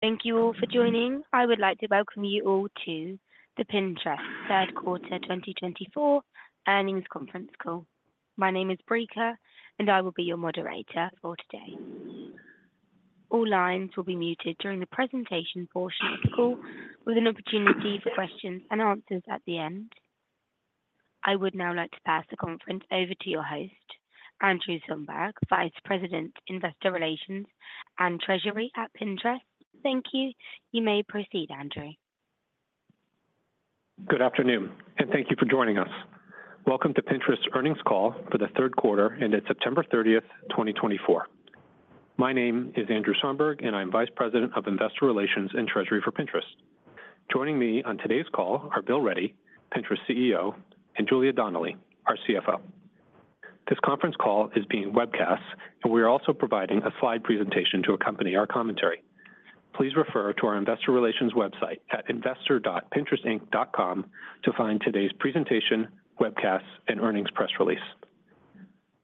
Thank you all for joining. I would like to welcome you all to the Pinterest Third Quarter 2024 earnings conference call. My name is Breaker, and I will be your moderator for today. All lines will be muted during the presentation portion of the call, with an opportunity for questions and answers at the end. I would now like to pass the conference over to your host, Andrew Somberg, Vice President, Investor Relations and Treasury at Pinterest. Thank you. You may proceed, Andrew. Good afternoon, and thank you for joining us. Welcome to Pinterest's earnings call for the third quarter ended September 30th, 2024. My name is Andrew Somberg, and I'm Vice President of Investor Relations and Treasury for Pinterest. Joining me on today's call are Bill Ready, Pinterest CEO, and Julia Donnelly, our CFO. This conference call is being webcast, and we are also providing a slide presentation to accompany our commentary. Please refer to our Investor Relations website at investor.pinterestinc.com to find today's presentation, webcast, and earnings press release.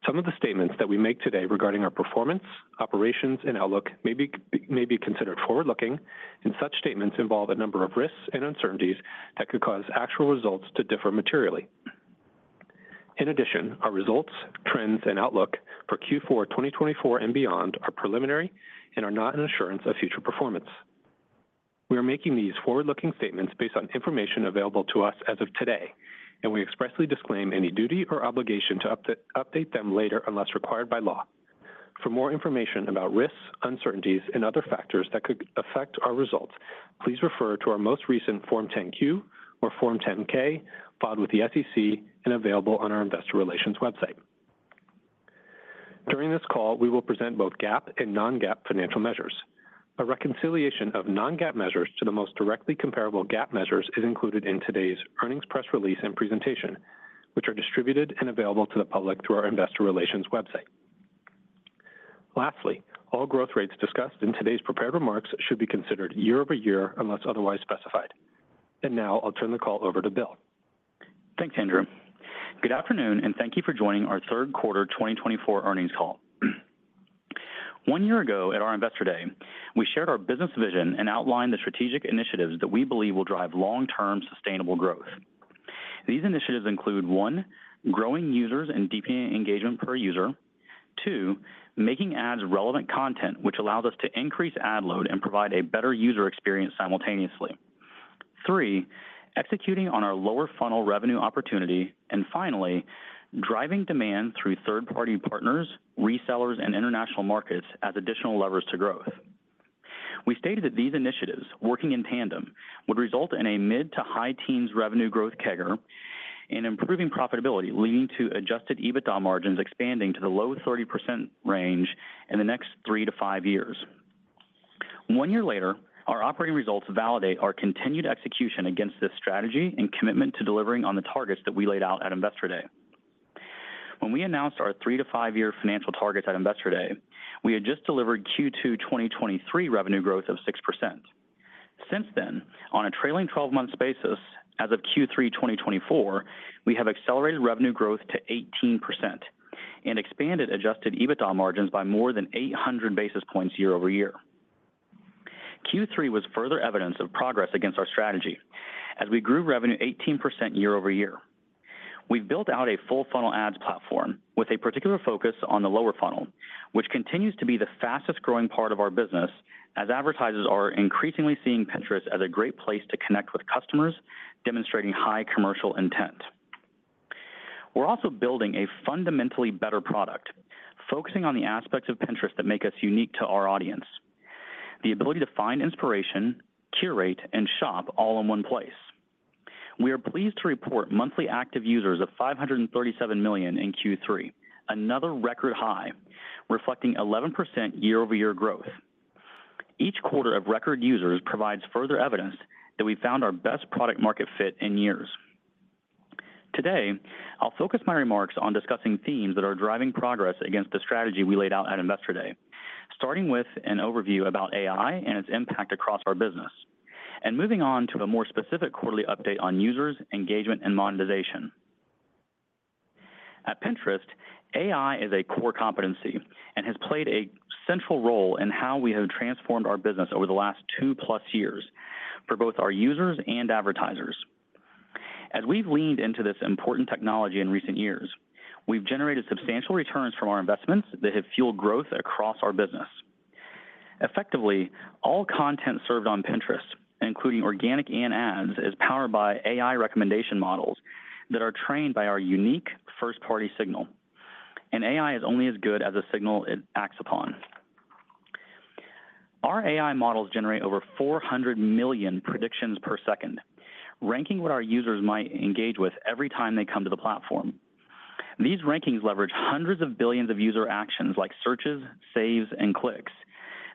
Some of the statements that we make today regarding our performance, operations, and outlook may be considered forward-looking, and such statements involve a number of risks and uncertainties that could cause actual results to differ materially. In addition, our results, trends, and outlook for Q4 2024 and beyond are preliminary and are not an assurance of future performance. We are making these forward-looking statements based on information available to us as of today, and we expressly disclaim any duty or obligation to update them later unless required by law. For more information about risks, uncertainties, and other factors that could affect our results, please refer to our most recent Form 10-Q or Form 10-K, filed with the SEC and available on our Investor Relations website. During this call, we will present both GAAP and non-GAAP financial measures. A reconciliation of non-GAAP measures to the most directly comparable GAAP measures is included in today's earnings press release and presentation, which are distributed and available to the public through our Investor Relations website. Lastly, all growth rates discussed in today's prepared remarks should be considered year-over-year unless otherwise specified. And now I'll turn the call over to Bill. Thanks, Andrew. Good afternoon, and thank you for joining our third quarter 2024 earnings call. One year ago at our Investor Day, we shared our business vision and outlined the strategic initiatives that we believe will drive long-term sustainable growth. These initiatives include: one, growing users and deepening engagement per user; two, making ads relevant content, which allows us to increase ad load and provide a better user experience simultaneously; three, executing on our lower funnel revenue opportunity; and finally, driving demand through third-party partners, resellers, and international markets as additional levers to growth. We stated that these initiatives, working in tandem, would result in a mid to high teens revenue growth CAGR and improving profitability, leading to Adjusted EBITDA margins expanding to the low 30% range in the next three to five years. One year later, our operating results validate our continued execution against this strategy and commitment to delivering on the targets that we laid out at Investor Day. When we announced our three to five-year financial targets at Investor Day, we had just delivered Q2 2023 revenue growth of 6%. Since then, on a trailing 12-month basis, as of Q3 2024, we have accelerated revenue growth to 18% and expanded Adjusted EBITDA margins by more than 800 basis points year-over-year. Q3 was further evidence of progress against our strategy as we grew revenue 18% year-over-year. We've built out a full funnel ads platform with a particular focus on the lower funnel, which continues to be the fastest growing part of our business, as advertisers are increasingly seeing Pinterest as a great place to connect with customers, demonstrating high commercial intent. We're also building a fundamentally better product, focusing on the aspects of Pinterest that make us unique to our audience: the ability to find inspiration, curate, and shop all in one place. We are pleased to report monthly active users of 537 million in Q3, another record high, reflecting 11% year-over-year growth. Each quarter of record users provides further evidence that we found our best product-market fit in years. Today, I'll focus my remarks on discussing themes that are driving progress against the strategy we laid out at Investor Day, starting with an overview about AI and its impact across our business, and moving on to a more specific quarterly update on users, engagement, and monetization. At Pinterest, AI is a core competency and has played a central role in how we have transformed our business over the last two-plus years for both our users and advertisers. As we've leaned into this important technology in recent years, we've generated substantial returns from our investments that have fueled growth across our business. Effectively, all content served on Pinterest, including organic and ads, is powered by AI recommendation models that are trained by our unique first-party signal. And AI is only as good as the signal it acts upon. Our AI models generate over 400 million predictions per second, ranking what our users might engage with every time they come to the platform. These rankings leverage hundreds of billions of user actions like searches, saves, and clicks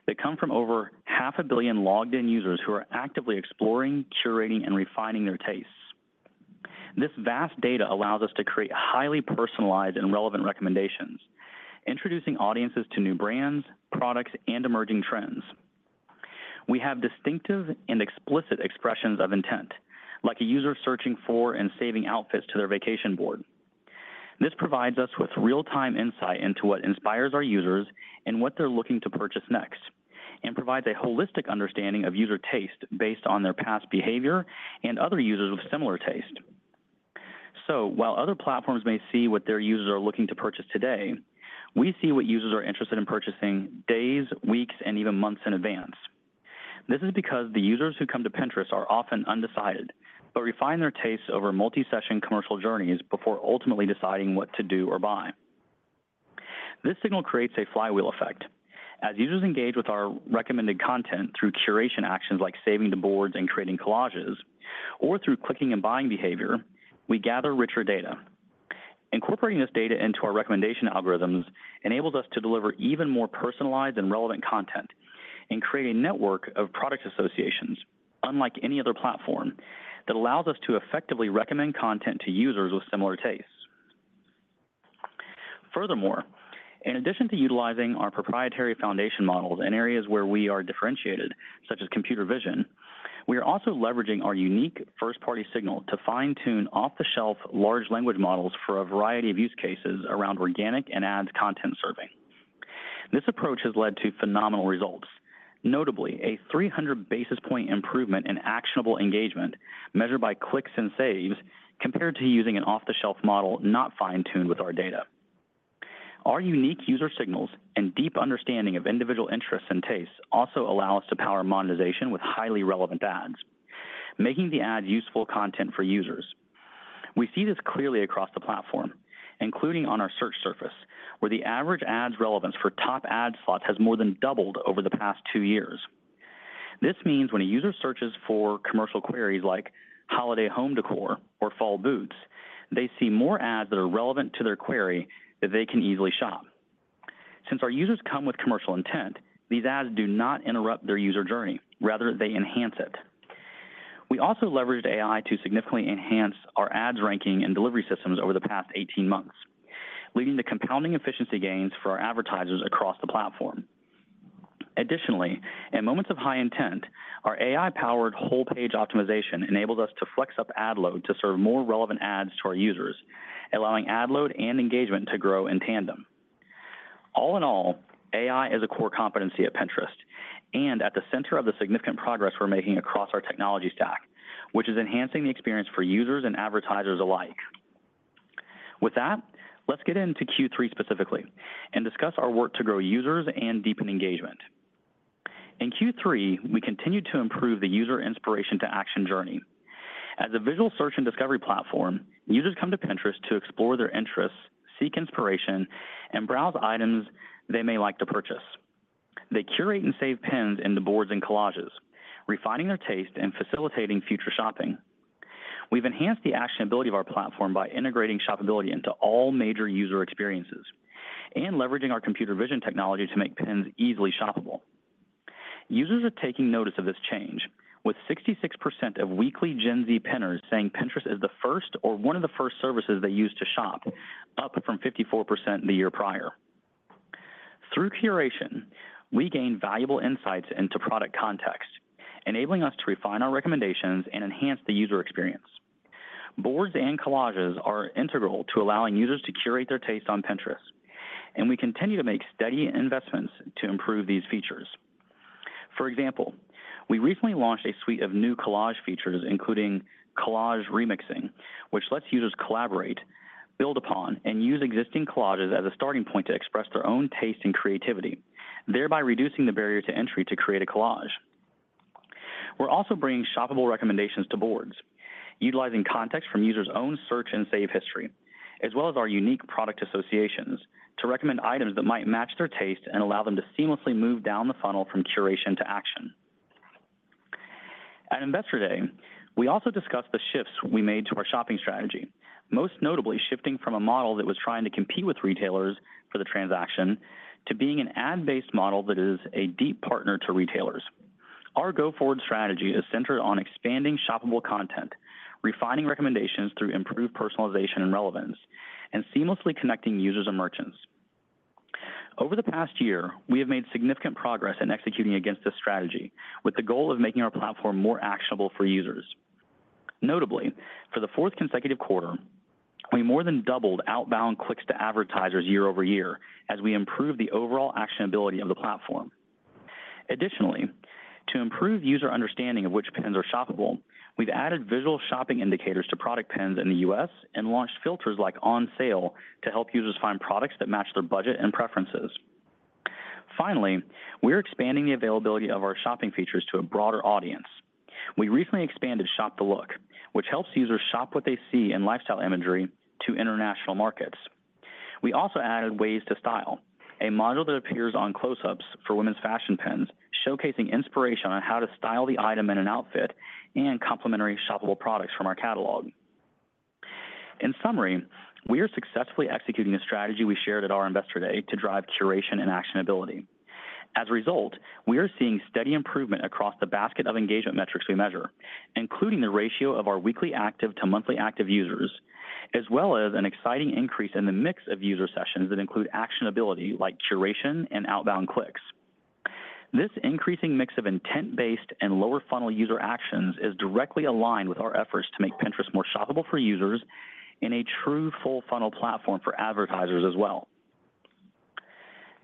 that come from over 500 million logged-in users who are actively exploring, curating, and refining their tastes. This vast data allows us to create highly personalized and relevant recommendations, introducing audiences to new brands, products, and emerging trends. We have distinctive and explicit expressions of intent, like a user searching for and saving outfits to their vacation board. This provides us with real-time insight into what inspires our users and what they're looking to purchase next, and provides a holistic understanding of user taste based on their past behavior and other users with similar taste. So, while other platforms may see what their users are looking to purchase today, we see what users are interested in purchasing days, weeks, and even months in advance. This is because the users who come to Pinterest are often undecided but refine their tastes over multi-session commercial journeys before ultimately deciding what to do or buy. This signal creates a flywheel effect. As users engage with our recommended content through curation actions like saving the boards and creating collages, or through clicking and buying behavior, we gather richer data. Incorporating this data into our recommendation algorithms enables us to deliver even more personalized and relevant content and create a network of product associations unlike any other platform that allows us to effectively recommend content to users with similar tastes. Furthermore, in addition to utilizing our proprietary foundation models in areas where we are differentiated, such as computer vision, we are also leveraging our unique first-party signal to fine-tune off-the-shelf large language models for a variety of use cases around organic and ads content serving. This approach has led to phenomenal results, notably a 300 basis point improvement in actionable engagement measured by clicks and saves compared to using an off-the-shelf model not fine-tuned with our data. Our unique user signals and deep understanding of individual interests and tastes also allow us to power monetization with highly relevant ads, making the ads useful content for users. We see this clearly across the platform, including on our search surface, where the average ads relevance for top ad slots has more than doubled over the past two years. This means when a user searches for commercial queries like holiday home decor or fall boots, they see more ads that are relevant to their query that they can easily shop. Since our users come with commercial intent, these ads do not interrupt their user journey. Rather, they enhance it. We also leveraged AI to significantly enhance our ads ranking and delivery systems over the past 18 months, leading to compounding efficiency gains for our advertisers across the platform. Additionally, in moments of high intent, our AI-powered whole-page optimization enables us to flex up ad load to serve more relevant ads to our users, allowing ad load and engagement to grow in tandem. All in all, AI is a core competency at Pinterest and at the center of the significant progress we're making across our technology stack, which is enhancing the experience for users and advertisers alike. With that, let's get into Q3 specifically and discuss our work to grow users and deepen engagement. In Q3, we continue to improve the user inspiration-to-action journey. As a visual search and discovery platform, users come to Pinterest to explore their interests, seek inspiration, and browse items they may like to purchase. They curate and save pins into boards and collages, refining their taste and facilitating future shopping. We've enhanced the actionability of our platform by integrating shoppability into all major user experiences and leveraging our computer vision technology to make pins easily shoppable. Users are taking notice of this change, with 66% of weekly Gen Z pinners saying Pinterest is the first or one of the first services they use to shop, up from 54% the year prior. Through curation, we gain valuable insights into product context, enabling us to refine our recommendations and enhance the user experience. Boards and collages are integral to allowing users to curate their taste on Pinterest, and we continue to make steady investments to improve these features. For example, we recently launched a suite of new collage features, including collage remixing, which lets users collaborate, build upon, and use existing collages as a starting point to express their own taste and creativity, thereby reducing the barrier to entry to create a collage. We're also bringing shoppable recommendations to boards, utilizing context from users' own search and save history, as well as our unique product associations to recommend items that might match their taste and allow them to seamlessly move down the funnel from curation to action. At Investor Day, we also discussed the shifts we made to our shopping strategy, most notably shifting from a model that was trying to compete with retailers for the transaction to being an ad-based model that is a deep partner to retailers. Our go-forward strategy is centered on expanding shoppable content, refining recommendations through improved personalization and relevance, and seamlessly connecting users and merchants. Over the past year, we have made significant progress in executing against this strategy with the goal of making our platform more actionable for users. Notably, for the fourth consecutive quarter, we more than doubled outbound clicks to advertisers year-over-year as we improved the overall actionability of the platform. Additionally, to improve user understanding of which pins are shoppable, we've added visual shopping indicators to product pins in the U.S. and launched filters like on sale to help users find products that match their budget and preferences. Finally, we're expanding the availability of our shopping features to a broader audience. We recently expanded Shop the Look, which helps users shop what they see in lifestyle imagery to international markets. We also added Ways to Style, a module that appears on close-ups for women's fashion pins, showcasing inspiration on how to style the item in an outfit and complementary shoppable products from our catalog. In summary, we are successfully executing the strategy we shared at our Investor Day to drive curation and actionability. As a result, we are seeing steady improvement across the basket of engagement metrics we measure, including the ratio of our weekly active to monthly active users, as well as an exciting increase in the mix of user sessions that include actionability like curation and outbound clicks. This increasing mix of intent-based and lower funnel user actions is directly aligned with our efforts to make Pinterest more shoppable for users and a true full funnel platform for advertisers as well.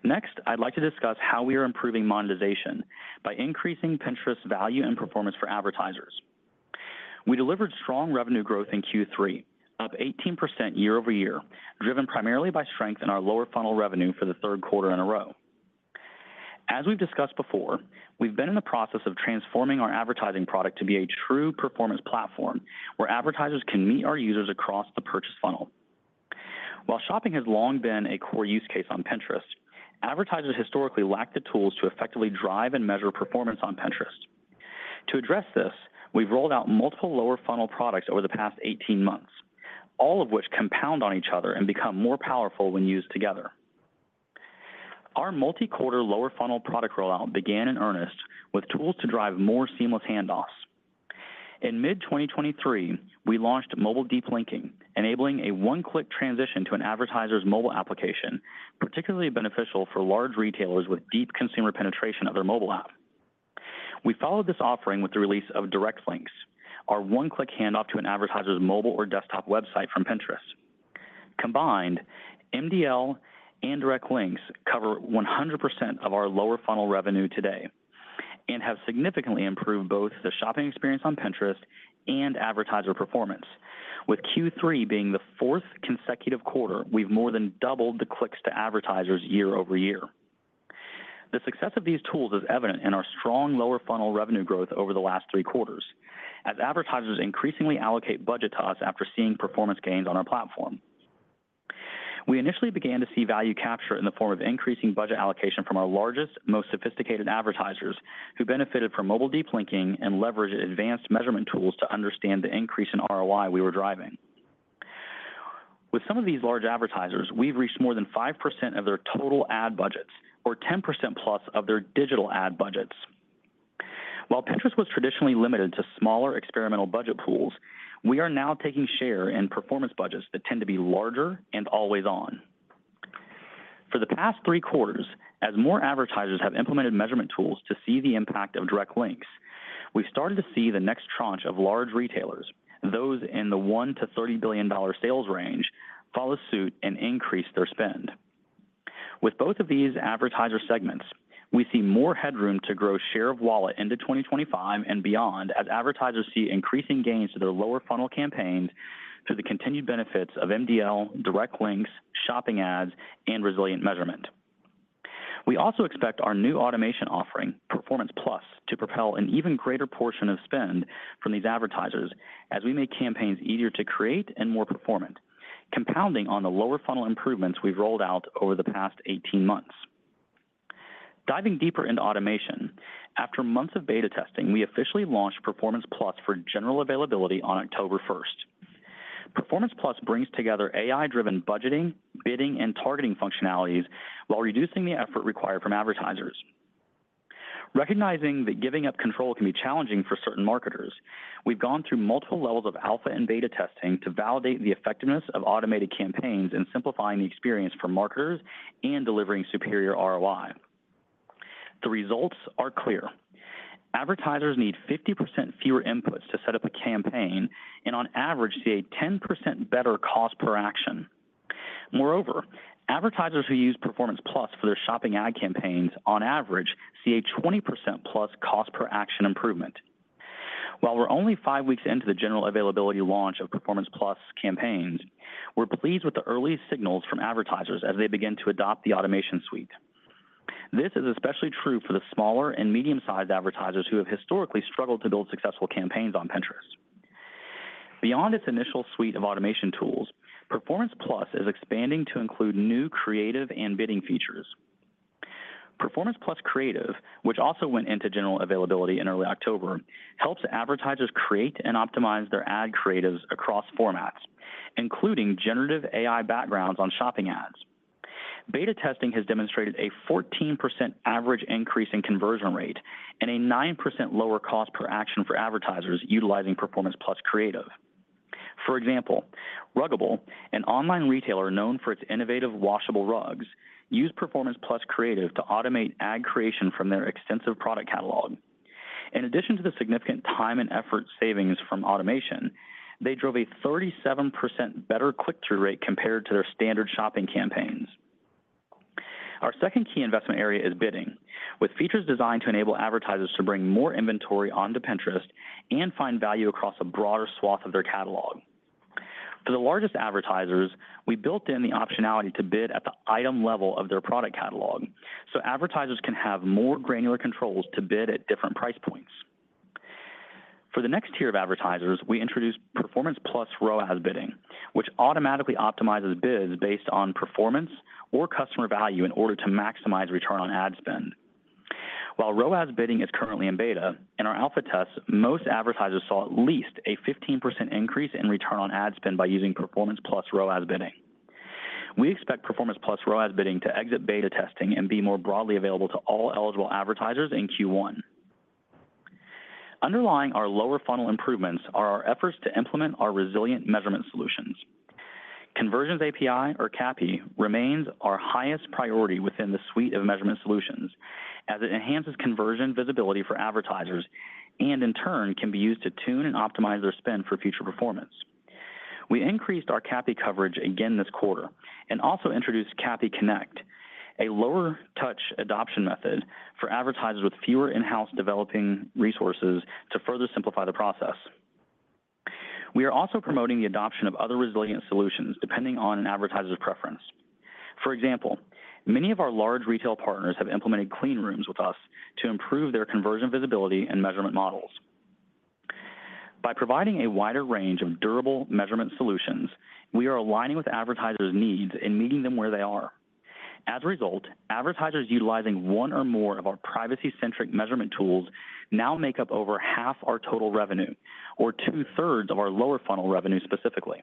Next, I'd like to discuss how we are improving monetization by increasing Pinterest value and performance for advertisers. We delivered strong revenue growth in Q3, up 18% year-over-year, driven primarily by strength in our lower funnel revenue for the third quarter in a row. As we've discussed before, we've been in the process of transforming our advertising product to be a true performance platform where advertisers can meet our users across the purchase funnel. While shopping has long been a core use case on Pinterest, advertisers historically lacked the tools to effectively drive and measure performance on Pinterest. To address this, we've rolled out multiple lower funnel products over the past 18 months, all of which compound on each other and become more powerful when used together. Our multi-quarter lower funnel product rollout began in earnest with tools to drive more seamless handoffs. In mid-2023, we launched Mobile Deep Linking, enabling a one-click transition to an advertiser's mobile application, particularly beneficial for large retailers with deep consumer penetration of their mobile app. We followed this offering with the release of Direct Links, our one-click handoff to an advertiser's mobile or desktop website from Pinterest. Combined, MDL and Direct Links cover 100% of our lower funnel revenue today and have significantly improved both the shopping experience on Pinterest and advertiser performance. With Q3 being the fourth consecutive quarter, we've more than doubled the clicks to advertisers year-over-year. The success of these tools is evident in our strong lower funnel revenue growth over the last three quarters, as advertisers increasingly allocate budget to us after seeing performance gains on our platform. We initially began to see value capture in the form of increasing budget allocation from our largest, most sophisticated advertisers who benefited from Mobile Deep Linking and leveraged advanced measurement tools to understand the increase in ROI we were driving. With some of these large advertisers, we've reached more than 5% of their total ad budgets or 10%+ of their digital ad budgets. While Pinterest was traditionally limited to smaller experimental budget pools, we are now taking share in performance budgets that tend to be larger and always on. For the past three quarters, as more advertisers have implemented measurement tools to see the impact of direct links, we've started to see the next tranche of large retailers, those in the $1 billion-$30 billion sales range, follow suit and increase their spend. With both of these advertiser segments, we see more headroom to grow share of wallet into 2025 and beyond as advertisers see increasing gains to their lower funnel campaigns through the continued benefits of MDL, direct links, shopping ads, and resilient measurement. We also expect our new automation offering, Performance+, to propel an even greater portion of spend from these advertisers as we make campaigns easier to create and more performant, compounding on the lower funnel improvements we've rolled out over the past 18 months. Diving deeper into automation, after months of beta testing, we officially launched Performance+ for general availability on October 1st. Performance+ brings together AI-driven budgeting, bidding, and targeting functionalities while reducing the effort required from advertisers. Recognizing that giving up control can be challenging for certain marketers, we've gone through multiple levels of alpha and beta testing to validate the effectiveness of automated campaigns in simplifying the experience for marketers and delivering superior ROI. The results are clear. Advertisers need 50% fewer inputs to set up a campaign and, on average, see a 10% better cost per action. Moreover, advertisers who use Performance+ for their shopping ad campaigns, on average, see a 20%+ cost per action improvement. While we're only five weeks into the general availability launch of Performance+ campaigns, we're pleased with the early signals from advertisers as they begin to adopt the automation suite. This is especially true for the smaller and medium-sized advertisers who have historically struggled to build successful campaigns on Pinterest. Beyond its initial suite of automation tools, Performance+ is expanding to include new creative and bidding features. Performance+ Creative, which also went into general availability in early October, helps advertisers create and optimize their ad creatives across formats, including generative AI backgrounds on shopping ads. Beta testing has demonstrated a 14% average increase in conversion rate and a 9% lower cost per action for advertisers utilizing Performance+ Creative. For example, Ruggable, an online retailer known for its innovative washable rugs, used Performance+ Creative to automate ad creation from their extensive product catalog. In addition to the significant time and effort savings from automation, they drove a 37% better click-through rate compared to their standard shopping campaigns. Our second key investment area is bidding, with features designed to enable advertisers to bring more inventory onto Pinterest and find value across a broader swath of their catalog. For the largest advertisers, we built in the optionality to bid at the item level of their product catalog, so advertisers can have more granular controls to bid at different price points. For the next tier of advertisers, we introduced Performance+ ROAS bidding, which automatically optimizes bids based on performance or customer value in order to maximize return on ad spend. While ROAS bidding is currently in beta, in our alpha tests, most advertisers saw at least a 15% increase in return on ad spend by using Performance+ ROAS bidding. We expect Performance+ ROAS bidding to exit beta testing and be more broadly available to all eligible advertisers in Q1. Underlying our lower funnel improvements are our efforts to implement our resilient measurement solutions. Conversions API, or CAPI, remains our highest priority within the suite of measurement solutions, as it enhances conversion visibility for advertisers and, in turn, can be used to tune and optimize their spend for future performance. We increased our CAPI coverage again this quarter and also introduced CAPI Connect, a lower-touch adoption method for advertisers with fewer in-house development resources to further simplify the process. We are also promoting the adoption of other resilient solutions depending on an advertiser's preference. For example, many of our large retail partners have implemented clean rooms with us to improve their conversion visibility and measurement models. By providing a wider range of durable measurement solutions, we are aligning with advertisers' needs and meeting them where they are. As a result, advertisers utilizing one or more of our privacy-centric measurement tools now make up over half our total revenue, or two-thirds of our lower funnel revenue specifically.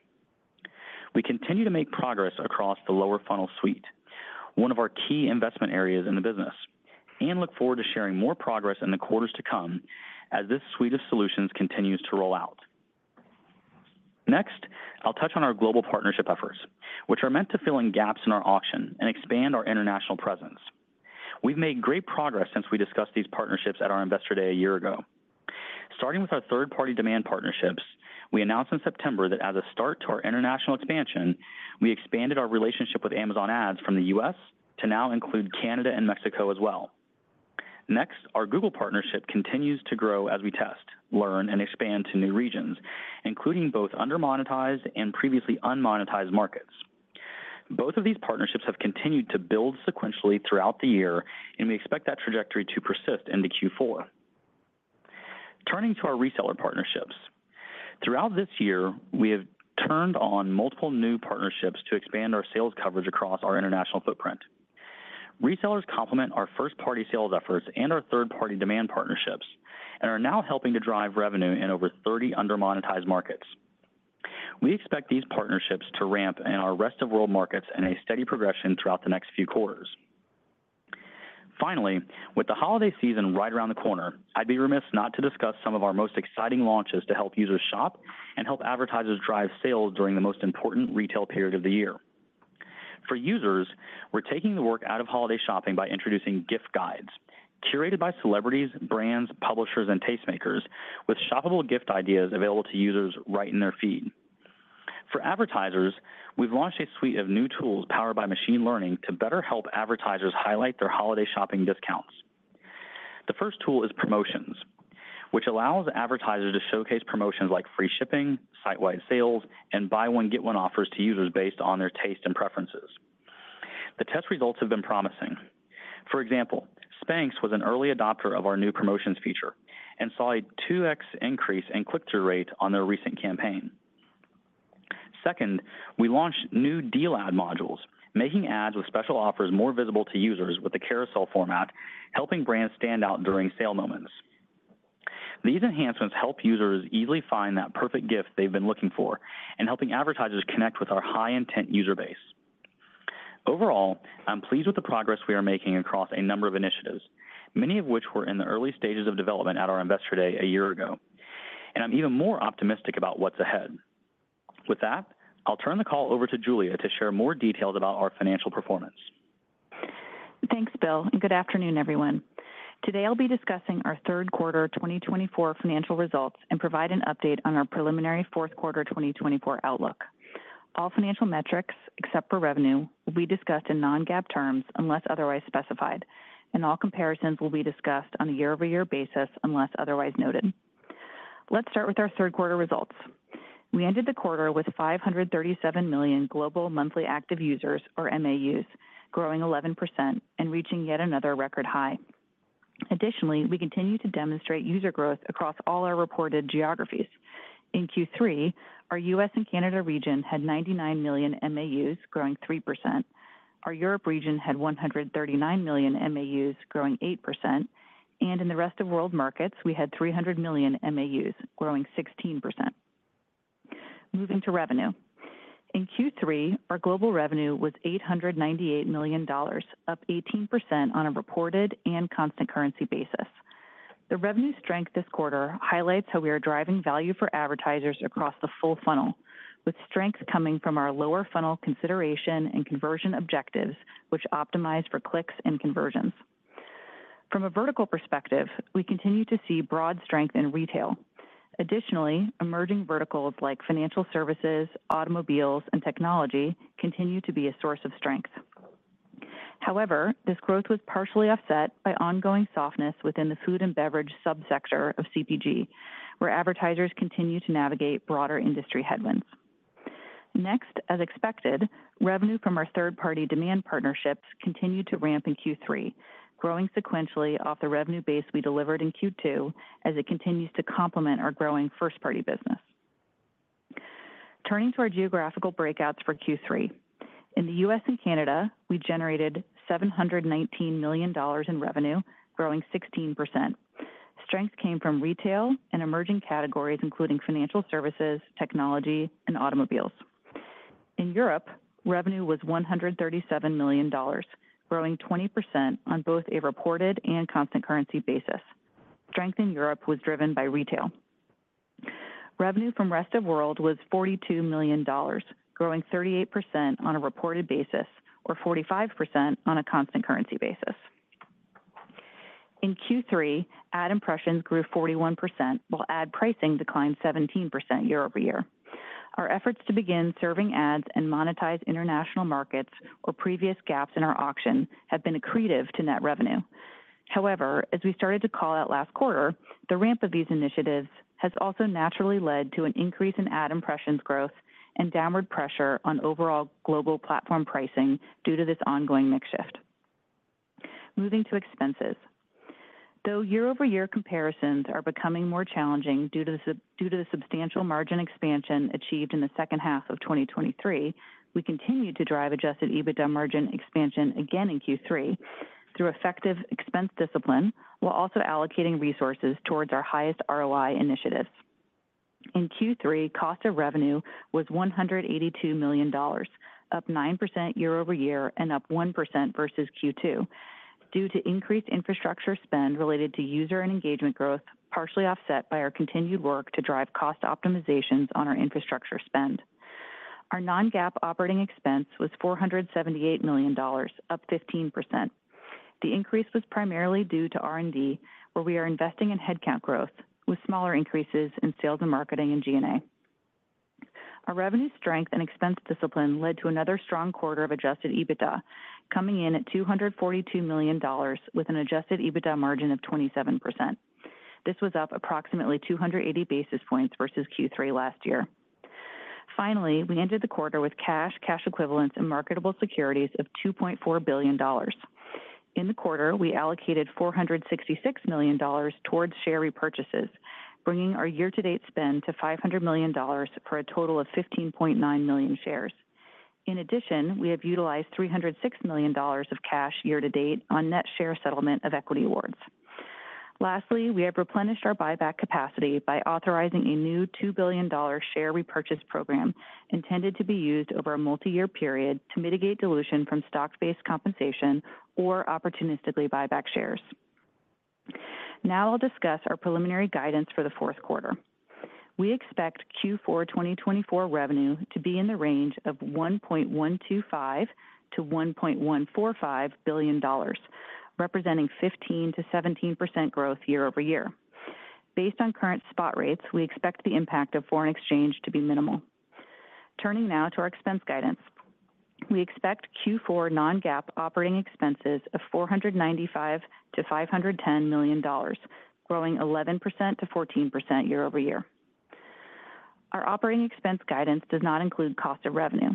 We continue to make progress across the lower funnel suite, one of our key investment areas in the business, and look forward to sharing more progress in the quarters to come as this suite of solutions continues to roll out. Next, I'll touch on our global partnership efforts, which are meant to fill in gaps in our auction and expand our international presence. We've made great progress since we discussed these partnerships at our Investor Day a year ago. Starting with our third-party demand partnerships, we announced in September that as a start to our international expansion, we expanded our relationship with Amazon Ads from the U.S. to now include Canada and Mexico as well. Next, our Google partnership continues to grow as we test, learn, and expand to new regions, including both undermonetized and previously unmonetized markets. Both of these partnerships have continued to build sequentially throughout the year, and we expect that trajectory to persist into Q4. Turning to our reseller partnerships, throughout this year, we have turned on multiple new partnerships to expand our sales coverage across our international footprint. Resellers complement our first-party sales efforts and our third-party demand partnerships and are now helping to drive revenue in over 30 undermonetized markets. We expect these partnerships to ramp in our Rest of World markets in a steady progression throughout the next few quarters. Finally, with the holiday season right around the corner, I'd be remiss not to discuss some of our most exciting launches to help users shop and help advertisers drive sales during the most important retail period of the year. For users, we're taking the work out of holiday shopping by introducing gift guides curated by celebrities, brands, publishers, and tastemakers, with shoppable gift ideas available to users right in their feed. For advertisers, we've launched a suite of new tools powered by machine learning to better help advertisers highlight their holiday shopping discounts. The first tool is Promotions, which allows advertisers to showcase promotions like free shipping, site-wide sales, and buy-one-get-one offers to users based on their taste and preferences. The test results have been promising. For example, Spanx was an early adopter of our new promotions feature and saw a 2x increase in click-through rate on their recent campaign. Second, we launched new Deal Ad modules, making ads with special offers more visible to users with the carousel format, helping brands stand out during sale moments. These enhancements help users easily find that perfect gift they've been looking for and helping advertisers connect with our high-intent user base. Overall, I'm pleased with the progress we are making across a number of initiatives, many of which were in the early stages of development at our Investor Day a year ago, and I'm even more optimistic about what's ahead. With that, I'll turn the call over to Julia to share more details about our financial performance. Thanks, Bill, and good afternoon, everyone. Today, I'll be discussing our third quarter 2024 financial results and provide an update on our preliminary fourth quarter 2024 outlook. All financial metrics, except for revenue, will be discussed in non-GAAP terms unless otherwise specified, and all comparisons will be discussed on a year-over-year basis unless otherwise noted. Let's start with our third quarter results. We ended the quarter with 537 million global monthly active users, or MAUs, growing 11% and reaching yet another record high. Additionally, we continue to demonstrate user growth across all our reported geographies. In Q3, our U.S. and Canada region had 99 million MAUs, growing 3%. Our Europe region had 139 million MAUs, growing 8%, and in the Rest of World markets, we had 300 million MAUs, growing 16%. Moving to revenue. In Q3, our global revenue was $898 million, up 18% on a reported and constant currency basis. The revenue strength this quarter highlights how we are driving value for advertisers across the full funnel, with strength coming from our lower funnel consideration and conversion objectives, which optimize for clicks and conversions. From a vertical perspective, we continue to see broad strength in retail. Additionally, emerging verticals like financial services, automobiles, and technology continue to be a source of strength. However, this growth was partially offset by ongoing softness within the food and beverage subsector of CPG, where advertisers continue to navigate broader industry headwinds. Next, as expected, revenue from our third-party demand partnerships continued to ramp in Q3, growing sequentially off the revenue base we delivered in Q2 as it continues to complement our growing first-party business. Turning to our geographical breakouts for Q3, in the U.S. and Canada, we generated $719 million in revenue, growing 16%. Strength came from retail and emerging categories, including financial services, technology, and automobiles. In Europe, revenue was $137 million, growing 20% on both a reported and constant currency basis. Strength in Europe was driven by retail. Revenue from Rest of World was $42 million, growing 38% on a reported basis or 45% on a constant currency basis. In Q3, ad impressions grew 41%, while ad pricing declined 17% year-over-year. Our efforts to begin serving ads and monetize international markets, or previous gaps in our auction, have been accretive to net revenue. However, as we started to call out last quarter, the ramp of these initiatives has also naturally led to an increase in ad impressions growth and downward pressure on overall global platform pricing due to this ongoing mix shift. Moving to expenses. Though year-over-year comparisons are becoming more challenging due to the substantial margin expansion achieved in the second half of 2023, we continue to drive Adjusted EBITDA margin expansion again in Q3 through effective expense discipline while also allocating resources towards our highest ROI initiatives. In Q3, cost of revenue was $182 million, up 9% year-over-year and up 1% versus Q2, due to increased infrastructure spend related to user and engagement growth, partially offset by our continued work to drive cost optimizations on our infrastructure spend. Our Non-GAAP operating expense was $478 million, up 15%. The increase was primarily due to R&D, where we are investing in headcount growth, with smaller increases in sales and marketing and G&A. Our revenue strength and expense discipline led to another strong quarter of Adjusted EBITDA, coming in at $242 million with an Adjusted EBITDA margin of 27%. This was up approximately 280 basis points versus Q3 last year. Finally, we ended the quarter with cash, cash equivalents, and marketable securities of $2.4 billion. In the quarter, we allocated $466 million towards share repurchases, bringing our year-to-date spend to $500 million for a total of 15.9 million shares. In addition, we have utilized $306 million of cash year-to-date on net share settlement of equity awards. Lastly, we have replenished our buyback capacity by authorizing a new $2 billion share repurchase program intended to be used over a multi-year period to mitigate dilution from stock-based compensation or opportunistically buyback shares. Now I'll discuss our preliminary guidance for the fourth quarter. We expect Q4 2024 revenue to be in the range of $1.125-$1.145 billion, representing 15%-17% growth year-over-year. Based on current spot rates, we expect the impact of foreign exchange to be minimal. Turning now to our expense guidance, we expect Q4 non-GAAP operating expenses of $495-$510 million, growing 11%-14% year-over-year. Our operating expense guidance does not include cost of revenue.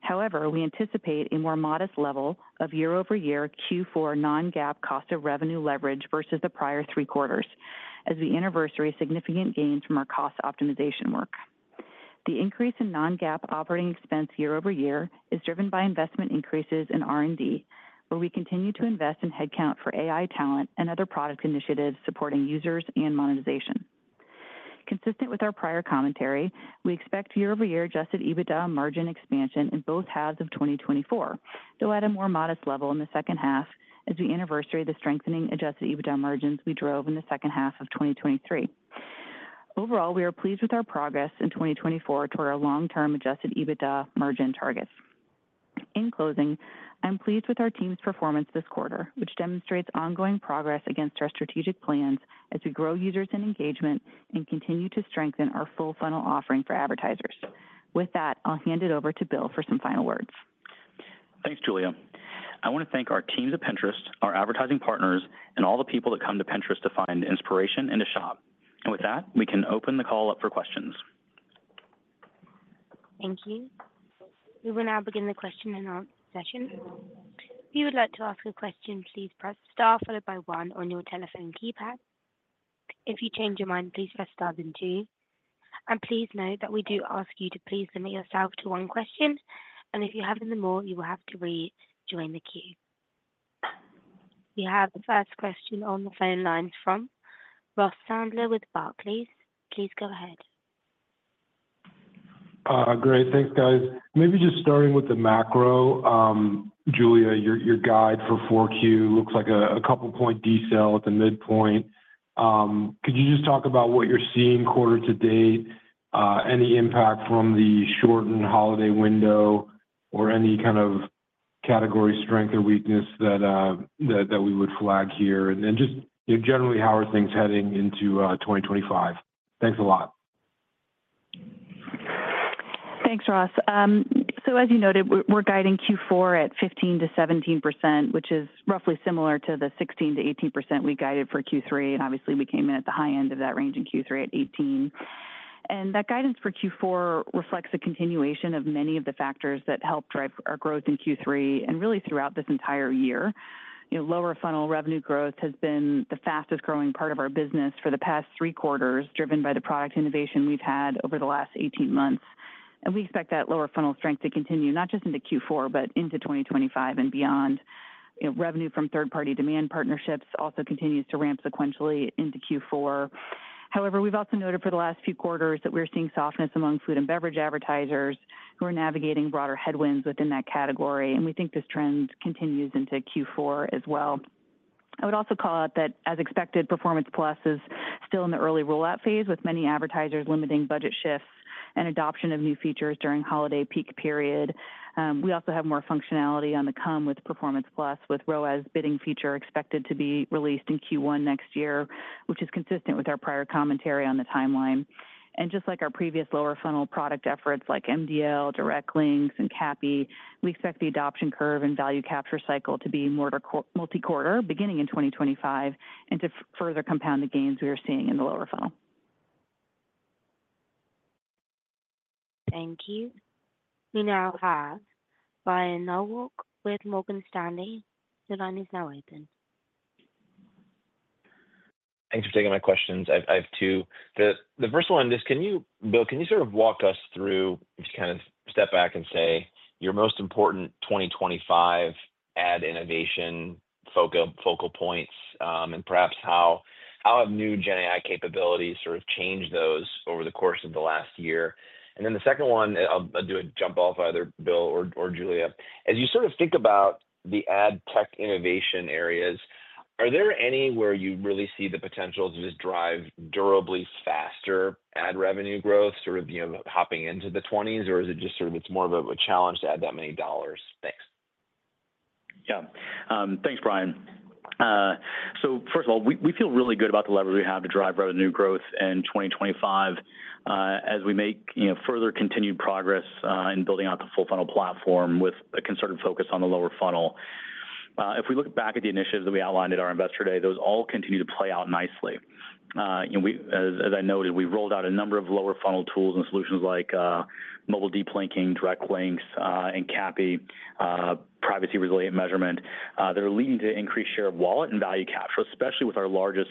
However, we anticipate a more modest level of year-over-year Q4 non-GAAP cost of revenue leverage versus the prior three quarters, as we anniversary significant gains from our cost optimization work. The increase in non-GAAP operating expense year-over-year is driven by investment increases in R&D, where we continue to invest in headcount for AI talent and other product initiatives supporting users and monetization. Consistent with our prior commentary, we expect year-over-year Adjusted EBITDA margin expansion in both halves of 2024, though at a more modest level in the second half, as we anniversary the strengthening Adjusted EBITDA margins we drove in the second half of 2023. Overall, we are pleased with our progress in 2024 toward our long-term Adjusted EBITDA margin targets. In closing, I'm pleased with our team's performance this quarter, which demonstrates ongoing progress against our strategic plans as we grow users and engagement and continue to strengthen our full funnel offering for advertisers. With that, I'll hand it over to Bill for some final words. Thanks, Julia. I want to thank our teams at Pinterest, our advertising partners, and all the people that come to Pinterest to find inspiration and to shop. And with that, we can open the call up for questions. Thank you. We will now begin the question and answer session. If you would like to ask a question, please press star followed by one on your telephone keypad. If you change your mind, please press star then two. Please note that we do ask you to please limit yourself to one question, and if you have any more, you will have to rejoin the queue. We have the first question on the phone lines from Ross Sandler with Barclays. Please go ahead. Great. Thanks, guys. Maybe just starting with the macro, Julia, your guide for 4Q looks like a couple-point decel at the midpoint. Could you just talk about what you're seeing quarter to date, any impact from the shortened holiday window, or any kind of category strength or weakness that we would flag here, and just generally how are things heading into 2025? Thanks a lot. Thanks, Ross. So as you noted, we're guiding Q4 at 15%-17%, which is roughly similar to the 16%-18% we guided for Q3, and obviously, we came in at the high end of that range in Q3 at 18%. And that guidance for Q4 reflects the continuation of many of the factors that helped drive our growth in Q3 and really throughout this entire year. Lower funnel revenue growth has been the fastest growing part of our business for the past three quarters, driven by the product innovation we've had over the last 18 months. And we expect that lower funnel strength to continue not just into Q4, but into 2025 and beyond. Revenue from third-party demand partnerships also continues to ramp sequentially into Q4. However, we've also noted for the last few quarters that we're seeing softness among food and beverage advertisers who are navigating broader headwinds within that category, and we think this trend continues into Q4 as well. I would also call out that, as expected, Performance+ is still in the early rollout phase, with many advertisers limiting budget shifts and adoption of new features during holiday peak period. We also have more functionality on the come with Performance+, with ROAS bidding feature expected to be released in Q1 next year, which is consistent with our prior commentary on the timeline. And just like our previous lower funnel product efforts like MDL, Direct Links, and CAPI, we expect the adoption curve and value capture cycle to be multi-quarter beginning in 2025 and to further compound the gains we are seeing in the lower funnel. Thank you. We now have Brian Nowak with Morgan Stanley. The line is now open. Thanks for taking my questions. I have two. The first one is, can you, Bill, can you sort of walk us through, just kind of step back and say your most important 2025 ad innovation focal points and perhaps how have new Gen AI capabilities sort of changed those over the course of the last year? And then the second one, I'll do a jump off either Bill or Julia. As you sort of think about the ad tech innovation areas, are there any where you really see the potential to just drive durably faster ad revenue growth, sort of hopping into the 20s, or is it just sort of it's more of a challenge to add that many dollars? Thanks. Yeah. Thanks, Brian. So first of all, we feel really good about the leverage we have to drive revenue growth in 2025 as we make further continued progress in building out the full funnel platform with a concerted focus on the lower funnel. If we look back at the initiatives that we outlined at our investor day, those all continue to play out nicely. As I noted, we've rolled out a number of lower funnel tools and solutions like Mobile Deep Linking, Direct Links, and CAPI, privacy-resilient measurement that are leading to increased share of wallet and value capture, especially with our largest,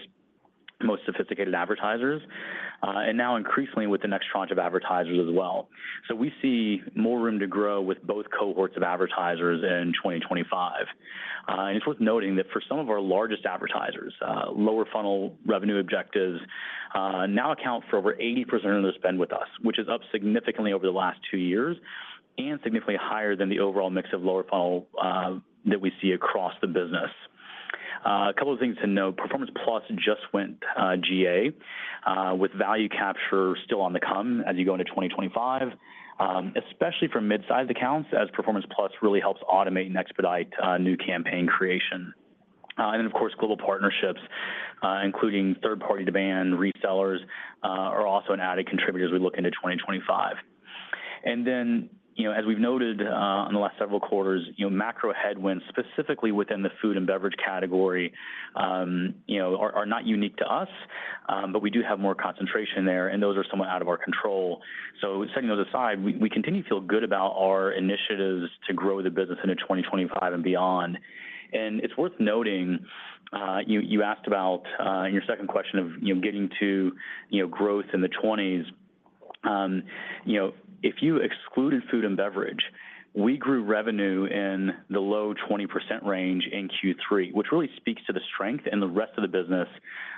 most sophisticated advertisers, and now increasingly with the next tranche of advertisers as well. So we see more room to grow with both cohorts of advertisers in 2025. It's worth noting that for some of our largest advertisers, lower funnel revenue objectives now account for over 80% of their spend with us, which is up significantly over the last two years and significantly higher than the overall mix of lower funnel that we see across the business. A couple of things to note. Performance+ just went GA with value capture still on the come as you go into 2025, especially for mid-sized accounts as Performance+ really helps automate and expedite new campaign creation. Then, of course, global partnerships, including third-party demand resellers, are also an added contributor as we look into 2025. Then, as we've noted in the last several quarters, macro headwinds specifically within the food and beverage category are not unique to us, but we do have more concentration there, and those are somewhat out of our control. So setting those aside, we continue to feel good about our initiatives to grow the business into 2025 and beyond. And it's worth noting, you asked about in your second question of getting to growth in the 20s, if you excluded food and beverage, we grew revenue in the low 20% range in Q3, which really speaks to the strength and the rest of the business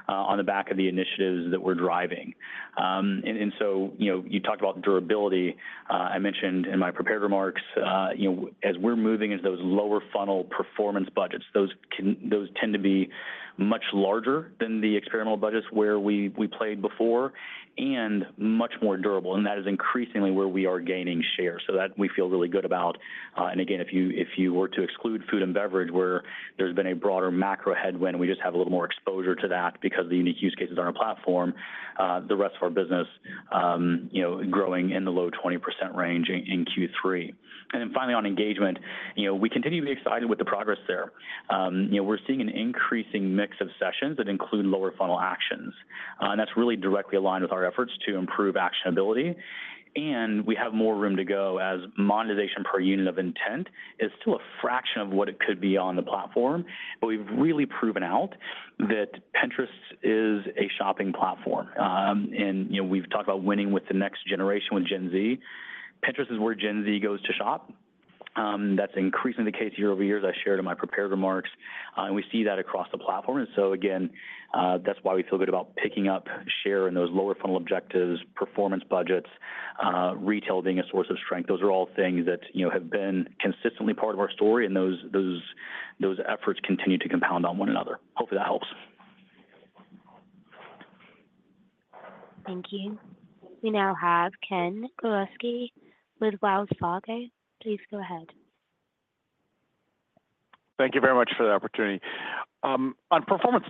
on the back of the initiatives that we're driving. And so you talked about durability. I mentioned in my prepared remarks, as we're moving into those lower funnel performance budgets, those tend to be much larger than the experimental budgets where we played before and much more durable. And that is increasingly where we are gaining share so that we feel really good about. And again, if you were to exclude food and beverage, where there's been a broader macro headwind, we just have a little more exposure to that because of the unique use cases on our platform, the rest of our business growing in the low 20% range in Q3. And then finally, on engagement, we continue to be excited with the progress there. We're seeing an increasing mix of sessions that include lower funnel actions. And that's really directly aligned with our efforts to improve actionability. And we have more room to go as monetization per unit of intent is still a fraction of what it could be on the platform, but we've really proven out that Pinterest is a shopping platform. And we've talked about winning with the next generation with Gen Z. Pinterest is where Gen Z goes to shop. That's increasingly the case year-over-years, as I shared in my prepared remarks, and we see that across the platform, and so again, that's why we feel good about picking up share in those lower funnel objectives, performance budgets, retail being a source of strength. Those are all things that have been consistently part of our story, and those efforts continue to compound on one another. Hopefully, that helps. Thank you. We now have Ken Gawrelski with Wells Fargo. Please go ahead. Thank you very much for the opportunity. On Performance+,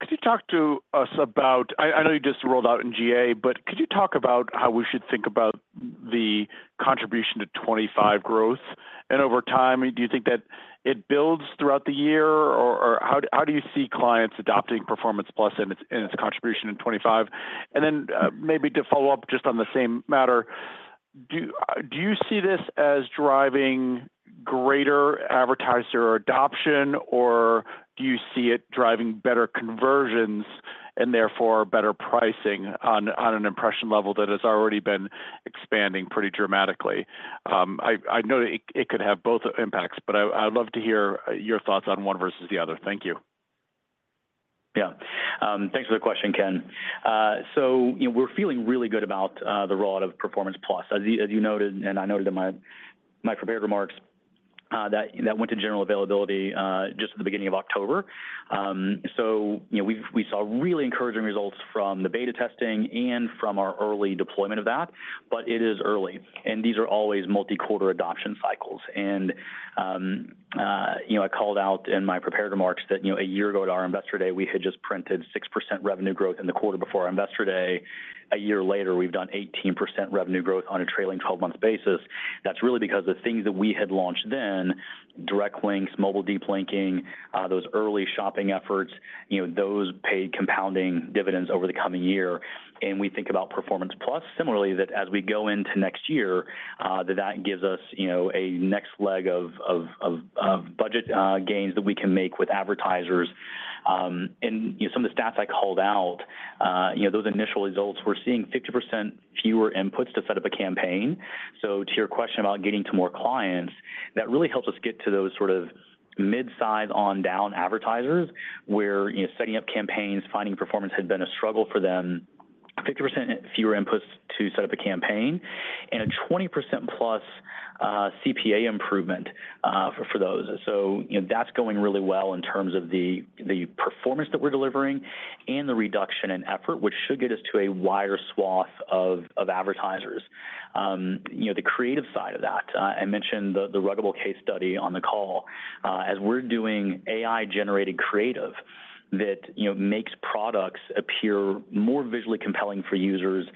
could you talk to us about it. I know you just rolled out in GA, but could you talk about how we should think about the contribution to 2025 growth, and over time, do you think that it builds throughout the year, or how do you see clients adopting Performance+ and its contribution in 2025? And then maybe to follow up just on the same matter, do you see this as driving greater advertiser adoption, or do you see it driving better conversions and therefore better pricing on an impression level that has already been expanding pretty dramatically? I know it could have both impacts, but I'd love to hear your thoughts on one versus the other. Thank you. Yeah. Thanks for the question, Ken. So we're feeling really good about the rollout of Performance+. As you noted, and I noted in my prepared remarks, that went to general availability just at the beginning of October. So we saw really encouraging results from the beta testing and from our early deployment of that, but it is early. And these are always multi-quarter adoption cycles. I called out in my prepared remarks that a year ago at our investor day, we had just printed 6% revenue growth in the quarter before our investor day. A year later, we've done 18% revenue growth on a trailing 12-month basis. That's really because the things that we had launched then, Direct Links, Mobile Deep Linking, those early shopping efforts, those paid compounding dividends over the coming year. We think about Performance+ similarly that as we go into next year, that gives us a next leg of budget gains that we can make with advertisers. Some of the stats I called out, those initial results, we're seeing 50% fewer inputs to set up a campaign. To your question about getting to more clients, that really helps us get to those sort of mid-size on-down advertisers where setting up campaigns, finding performance had been a struggle for them, 50% fewer inputs to set up a campaign, and a 20%+ CPA improvement for those. That's going really well in terms of the performance that we're delivering and the reduction in effort, which should get us to a wider swath of advertisers. The creative side of that, I mentioned the Ruggable case study on the call. As we're doing AI-generated creative that makes products appear more visually compelling for users,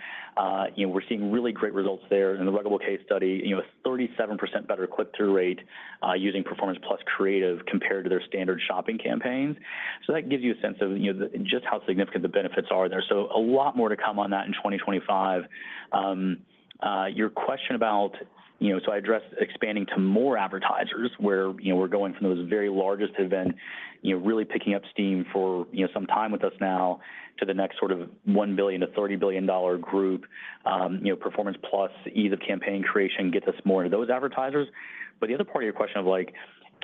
we're seeing really great results there. The Ruggable case study, 37% better click-through rate using Performance+ Creative compared to their standard shopping campaigns. That gives you a sense of just how significant the benefits are there. So a lot more to come on that in 2025. Your question about, so I addressed expanding to more advertisers where we're going from those very largest who've been really picking up steam for some time with us now to the next sort of $1 billion-$30 billion group. Performance+, ease of campaign creation gets us more into those advertisers. But the other part of your question of,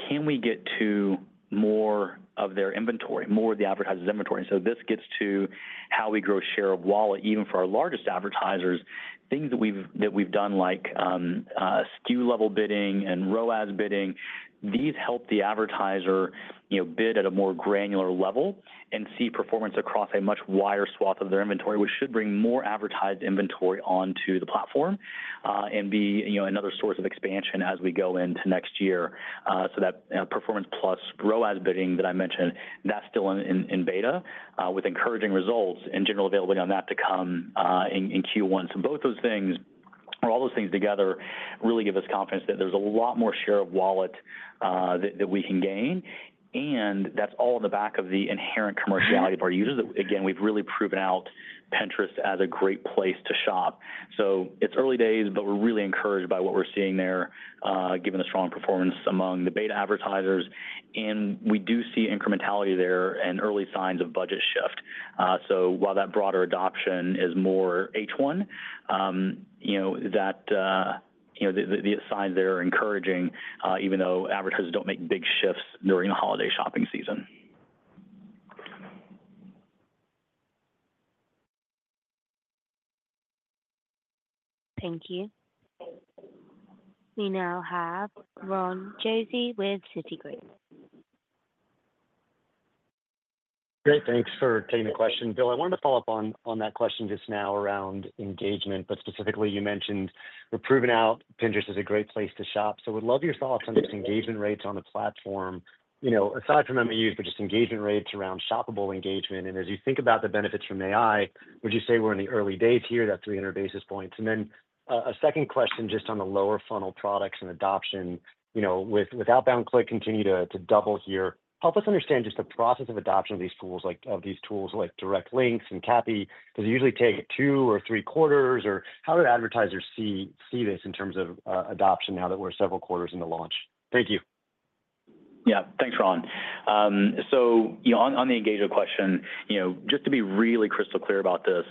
can we get to more of their inventory, more of the advertisers' inventory? And so this gets to how we grow share of wallet even for our largest advertisers. Things that we've done like SKU-level bidding and ROAS bidding, these help the advertiser bid at a more granular level and see performance across a much wider swath of their inventory, which should bring more advertised inventory onto the platform and be another source of expansion as we go into next year. So that Performance+ ROAS bidding that I mentioned, that's still in beta with encouraging results and general availability on that to come in Q1. So both those things, or all those things together, really give us confidence that there's a lot more share of wallet that we can gain. And that's all on the back of the inherent commerciality of our users. Again, we've really proven out Pinterest as a great place to shop. So it's early days, but we're really encouraged by what we're seeing there, given the strong performance among the beta advertisers. We do see incrementality there and early signs of budget shift. So while that broader adoption is more H1, that the signs there are encouraging, even though advertisers don't make big shifts during the holiday shopping season. Thank you. We now have Ron Josey with Citigroup. Great. Thanks for taking the question. Bill, I wanted to follow up on that question just now around engagement, but specifically, you mentioned we've proven out Pinterest is a great place to shop. So we'd love your thoughts on just engagement rates on the platform, aside from MAUs, but just engagement rates around shoppable engagement. And as you think about the benefits from AI, would you say we're in the early days here? That's 300 basis points. And then a second question just on the lower funnel products and adoption with outbound clicks continue to double here. Help us understand just the process of adoption of these tools, like Direct Links and CAPI. Does it usually take two or three quarters, or how do advertisers see this in terms of adoption now that we're several quarters into launch? Thank you. Yeah. Thanks, Ron. So on the engagement question, just to be really crystal clear about this,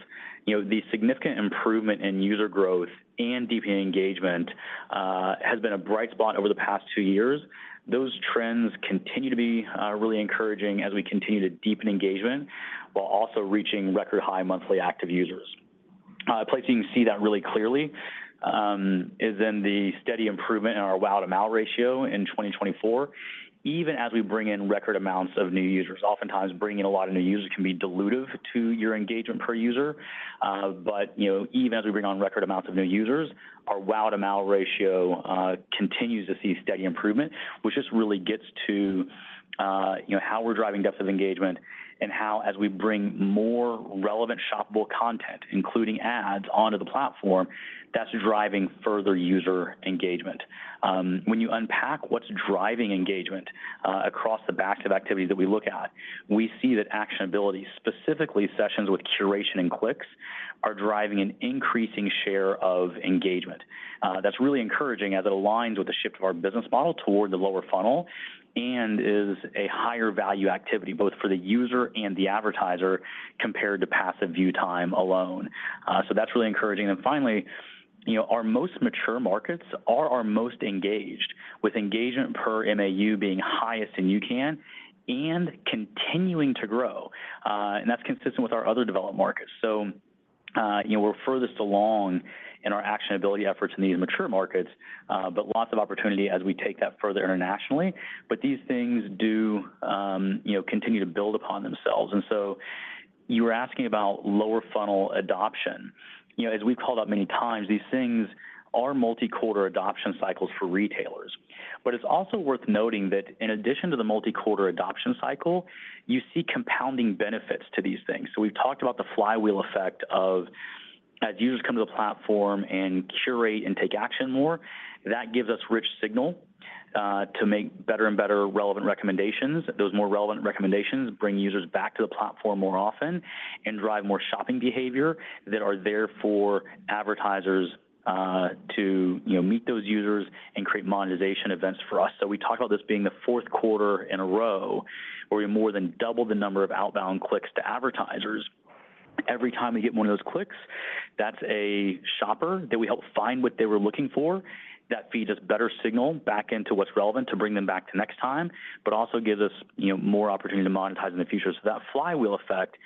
the significant improvement in user growth and DPA engagement has been a bright spot over the past two years. Those trends continue to be really encouraging as we continue to deepen engagement while also reaching record high monthly active users. A place you can see that really clearly is in the steady improvement in our WAU-to-MAU ratio in 2024, even as we bring in record amounts of new users. Oftentimes, bringing in a lot of new users can be dilutive to your engagement per user. But even as we bring on record amounts of new users, our WAU-to-MAU ratio continues to see steady improvement, which just really gets to how we're driving depth of engagement and how, as we bring more relevant shoppable content, including ads, onto the platform, that's driving further user engagement. When you unpack what's driving engagement across the back-to-back activities that we look at, we see that actionability, specifically sessions with curation and clicks, are driving an increasing share of engagement. That's really encouraging as it aligns with the shift of our business model toward the lower funnel and is a higher value activity both for the user and the advertiser compared to passive view time alone. So that's really encouraging. And finally, our most mature markets are our most engaged, with engagement per MAU being highest in UCAN and continuing to grow. And that's consistent with our other developed markets. So we're furthest along in our actionability efforts in these mature markets, but lots of opportunity as we take that further internationally. But these things do continue to build upon themselves. And so you were asking about lower funnel adoption. As we've called out many times, these things are multi-quarter adoption cycles for retailers. But it's also worth noting that in addition to the multi-quarter adoption cycle, you see compounding benefits to these things. So we've talked about the flywheel effect of, as users come to the platform and curate and take action more, that gives us rich signal to make better and better relevant recommendations. Those more relevant recommendations bring users back to the platform more often and drive more shopping behavior that are there for advertisers to meet those users and create monetization events for us. So we talked about this being the fourth quarter in a row where we more than doubled the number of outbound clicks to advertisers. Every time we get one of those clicks, that's a shopper that we help find what they were looking for. That feeds us better signal back into what's relevant to bring them back to next time, but also gives us more opportunity to monetize in the future. So that flywheel effect,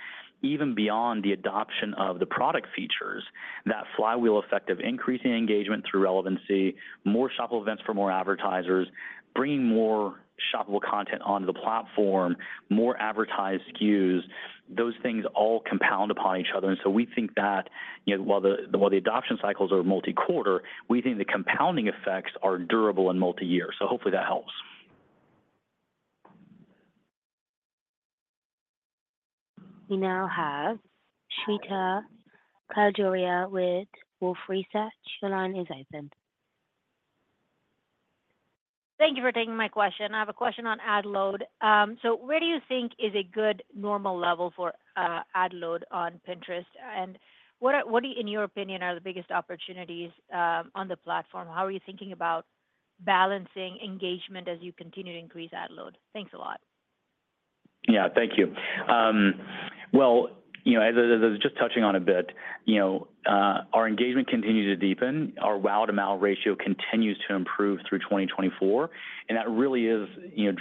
even beyond the adoption of the product features, that flywheel effect of increasing engagement through relevancy, more shoppable events for more advertisers, bringing more shoppable content onto the platform, more advertised SKUs, those things all compound upon each other. And so we think that while the adoption cycles are multi-quarter, we think the compounding effects are durable and multi-year. So hopefully that helps. We now have Shweta Khajuria with Wolfe Research. Your line is open. Thank you for taking my question. I have a question on ad load, so where do you think is a good normal level for ad load on Pinterest? And what, in your opinion, are the biggest opportunities on the platform? How are you thinking about balancing engagement as you continue to increase ad load? Thanks a lot. Yeah. Thank you. Well, as I was just touching on a bit, our engagement continues to deepen. Our WAU-to-MAU ratio continues to improve through 2024, and that really is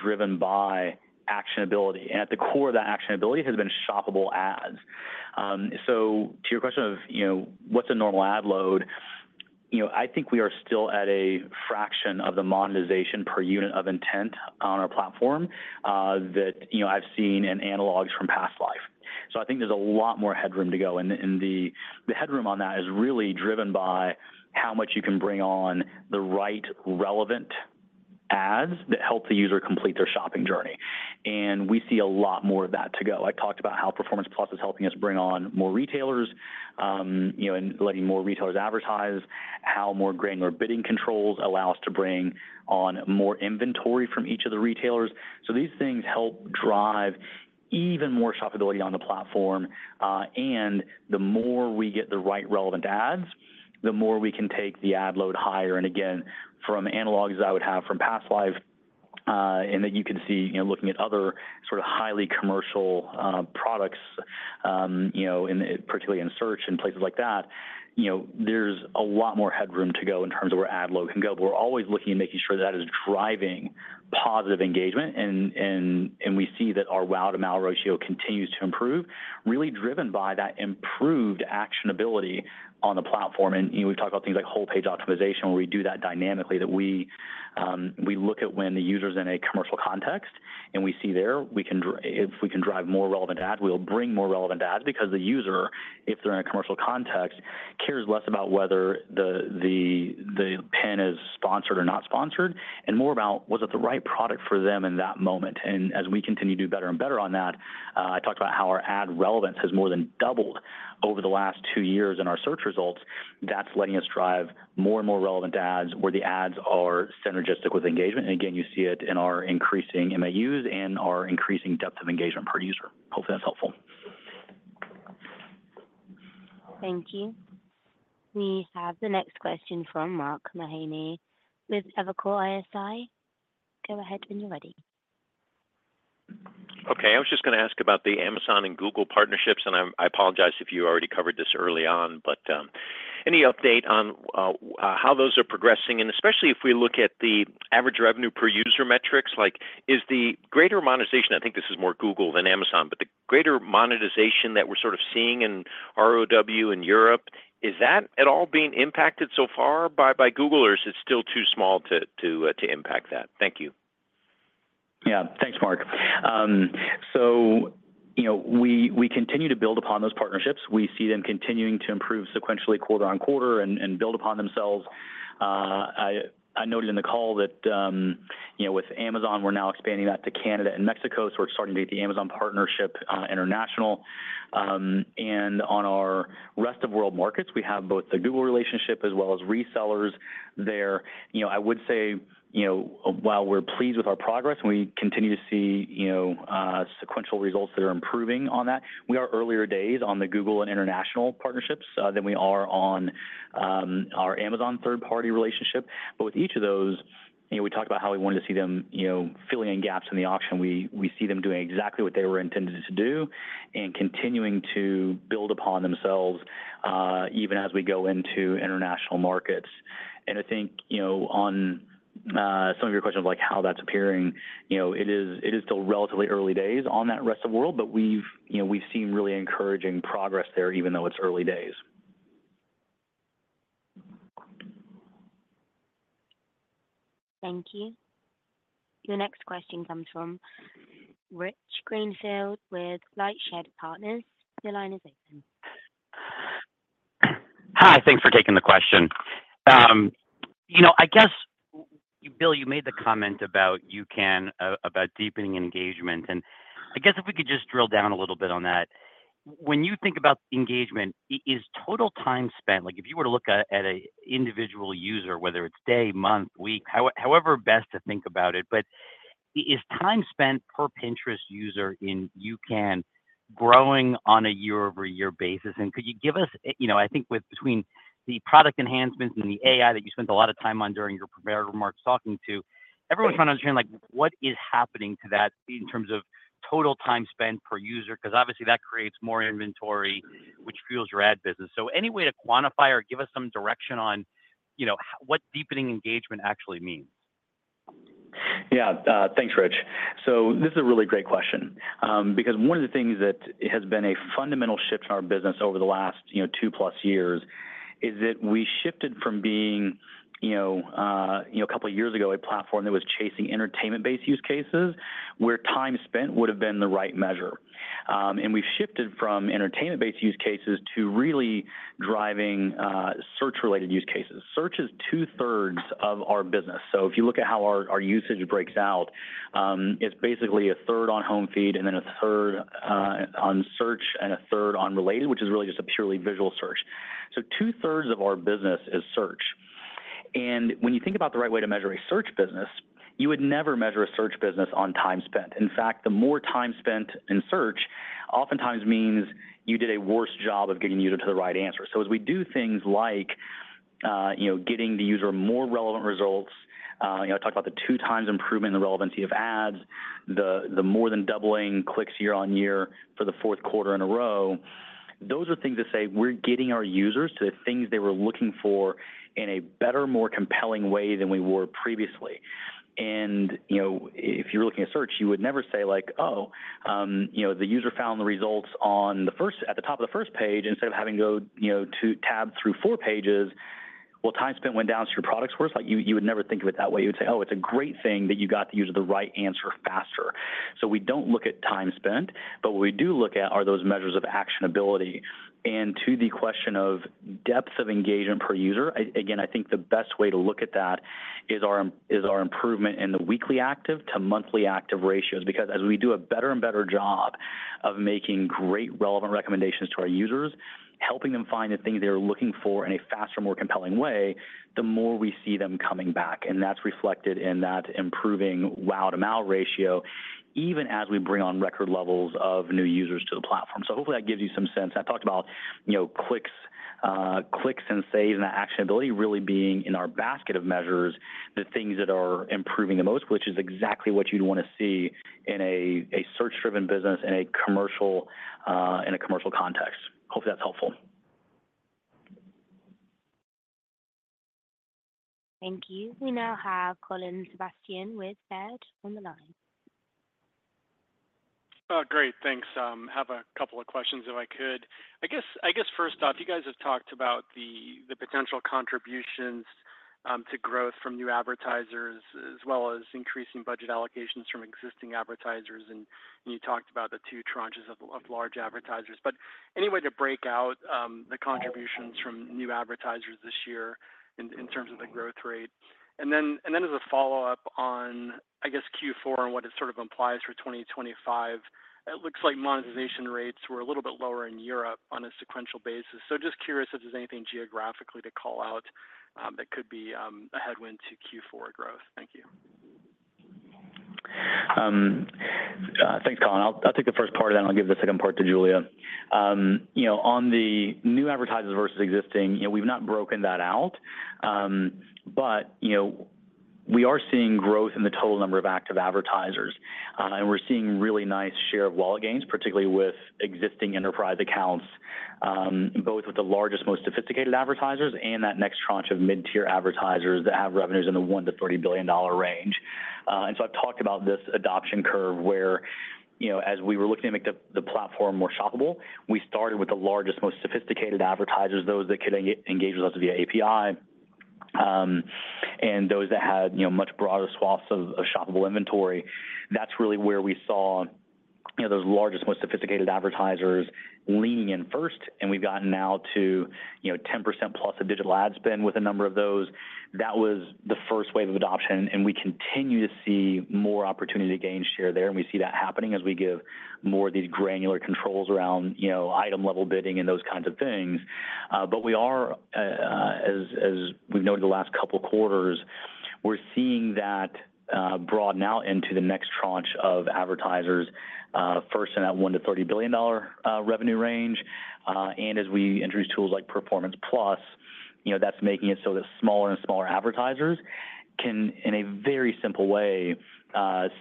driven by actionability, and at the core of that actionability has been shoppable ads, so to your question of what's a normal ad load, I think we are still at a fraction of the monetization per unit of intent on our platform that I've seen in analogs from past life, so I think there's a lot more headroom to go. The headroom on that is really driven by how much you can bring on the right relevant ads that help the user complete their shopping journey. We see a lot more of that to go. I talked about how Performance+ is helping us bring on more retailers and letting more retailers advertise, how more granular bidding controls allow us to bring on more inventory from each of the retailers. These things help drive even more shoppability on the platform. The more we get the right relevant ads, the more we can take the ad load higher. Again, from analogs that I would have from past life and that you can see looking at other sort of highly commercial products, particularly in search and places like that, there's a lot more headroom to go in terms of where ad load can go. But we're always looking at making sure that is driving positive engagement. And we see that our WAU-to-MAU ratio continues to improve, really driven by that improved actionability on the platform. And we've talked about things like Whole-Page Optimization, where we do that dynamically that we look at when the user's in a commercial context, and we see there, if we can drive more relevant ad, we'll bring more relevant ad because the user, if they're in a commercial context, cares less about whether the pin is sponsored or not sponsored, and more about was it the right product for them in that moment. And as we continue to do better and better on that, I talked about how our ad relevance has more than doubled over the last two years in our search results. That's letting us drive more and more relevant ads where the ads are synergistic with engagement. And again, you see it in our increasing MAUs and our increasing depth of engagement per user. Hopefully, that's helpful. Thank you. We have the next question from Mark Mahaney with Evercore ISI. Go ahead when you're ready. Okay. I was just going to ask about the Amazon and Google partnerships. And I apologize if you already covered this early on, but any update on how those are progressing? And especially if we look at the average revenue per user metrics, like is the greater monetization, I think this is more Google than Amazon, but the greater monetization that we're sort of seeing in ROW in Europe, is that at all being impacted so far by Google, or is it still too small to impact that? Thank you. Yeah. Thanks, Mark. So we continue to build upon those partnerships. We see them continuing to improve sequentially quarter on quarter and build upon themselves. I noted in the call that with Amazon, we're now expanding that to Canada and Mexico. So we're starting to get the Amazon partnership international. And on our Rest of World markets, we have both the Google relationship as well as resellers there. I would say, while we're pleased with our progress and we continue to see sequential results that are improving on that, we are earlier days on the Google and international partnerships than we are on our Amazon third-party relationship. But with each of those, we talked about how we wanted to see them filling in gaps in the auction. We see them doing exactly what they were intended to do and continuing to build upon themselves even as we go into international markets. And I think on some of your questions of how that's appearing, it is still relatively early days on that Rest of World, but we've seen really encouraging progress there, even though it's early days. Thank you. Your next question comes from Rich Greenfield with LightShed Partners. Your line is open. Hi. Thanks for taking the question. I guess, Bill, you made the comment about UCAN, about deepening engagement. And I guess if we could just drill down a little bit on that. When you think about engagement, is total time spent (if you were to look at an individual user, whether it's day, month, week, however best to think about it) but is time spent per Pinterest user in UCAN growing on a year-over-year basis? And could you give us, I think, between the product enhancements and the AI that you spent a lot of time on during your prepared remarks talking to, everyone's trying to understand what is happening to that in terms of total time spent per user? Because obviously, that creates more inventory, which fuels your ad business. So any way to quantify or give us some direction on what deepening engagement actually means? Yeah. Thanks, Rich. So this is a really great question because one of the things that has been a fundamental shift in our business over the last two-plus years is that we shifted from being, a couple of years ago, a platform that was chasing entertainment-based use cases where time spent would have been the right measure. And we've shifted from entertainment-based use cases to really driving search-related use cases. Search is two-thirds of our business. So if you look at how our usage breaks out, it's basically a third on home feed and then a third on search and a third on related, which is really just a purely visual search. So two-thirds of our business is search. And when you think about the right way to measure a search business, you would never measure a search business on time spent. In fact, the more time spent in search oftentimes means you did a worse job of getting you to the right answer. So as we do things like getting the user more relevant results, I talked about the two-times improvement in the relevancy of ads, the more than doubling clicks year on year for the fourth quarter in a row, those are things that say we're getting our users to the things they were looking for in a better, more compelling way than we were previously. And if you're looking at search, you would never say, "Oh, the user found the results at the top of the first page." Instead of having to go tab through four pages, well, time spent went down so your products worse. You would never think of it that way. You would say, "Oh, it's a great thing that you got the user the right answer faster." So we don't look at time spent, but what we do look at are those measures of actionability. And to the question of depth of engagement per user, again, I think the best way to look at that is our improvement in the weekly active to monthly active ratios because as we do a better and better job of making great relevant recommendations to our users, helping them find the things they're looking for in a faster, more compelling way, the more we see them coming back. And that's reflected in that improving WAU-to-MAU ratio, even as we bring on record levels of new users to the platform. So hopefully, that gives you some sense. I talked about clicks and saves and actionability really being in our basket of measures, the things that are improving the most, which is exactly what you'd want to see in a search-driven business in a commercial context. Hopefully, that's helpful. Thank you. We now have Colin Sebastian with Baird on the line. Great. Thanks. Have a couple of questions if I could. I guess first off, you guys have talked about the potential contributions to growth from new advertisers as well as increasing budget allocations from existing advertisers. And you talked about the two tranches of large advertisers. But any way to break out the contributions from new advertisers this year in terms of the growth rate? And then as a follow-up on, I guess, Q4 and what it sort of implies for 2025, it looks like monetization rates were a little bit lower in Europe on a sequential basis. So just curious if there's anything geographically to call out that could be a headwind to Q4 growth. Thank you. Thanks, Colin. I'll take the first part of that, and I'll give the second part to Julia. On the new advertisers versus existing, we've not broken that out, but we are seeing growth in the total number of active advertisers. And we're seeing really nice share of wallet gains, particularly with existing enterprise accounts, both with the largest, most sophisticated advertisers and that next tranche of mid-tier advertisers that have revenues in the $1-$30 billion range. And so I've talked about this adoption curve where, as we were looking to make the platform more shoppable, we started with the largest, most sophisticated advertisers, those that could engage with us via API, and those that had much broader swaths of shoppable inventory. That's really where we saw those largest, most sophisticated advertisers leaning in first. And we've gotten now to 10%+ of digital ad spend with a number of those. That was the first wave of adoption. We continue to see more opportunity to gain share there. We see that happening as we give more of these granular controls around item-level bidding and those kinds of things. But we are, as we've noted the last couple of quarters, we're seeing that broaden out into the next tranche of advertisers first in that $1-$30 billion revenue range. As we introduce tools like Performance+, that's making it so that smaller and smaller advertisers can, in a very simple way,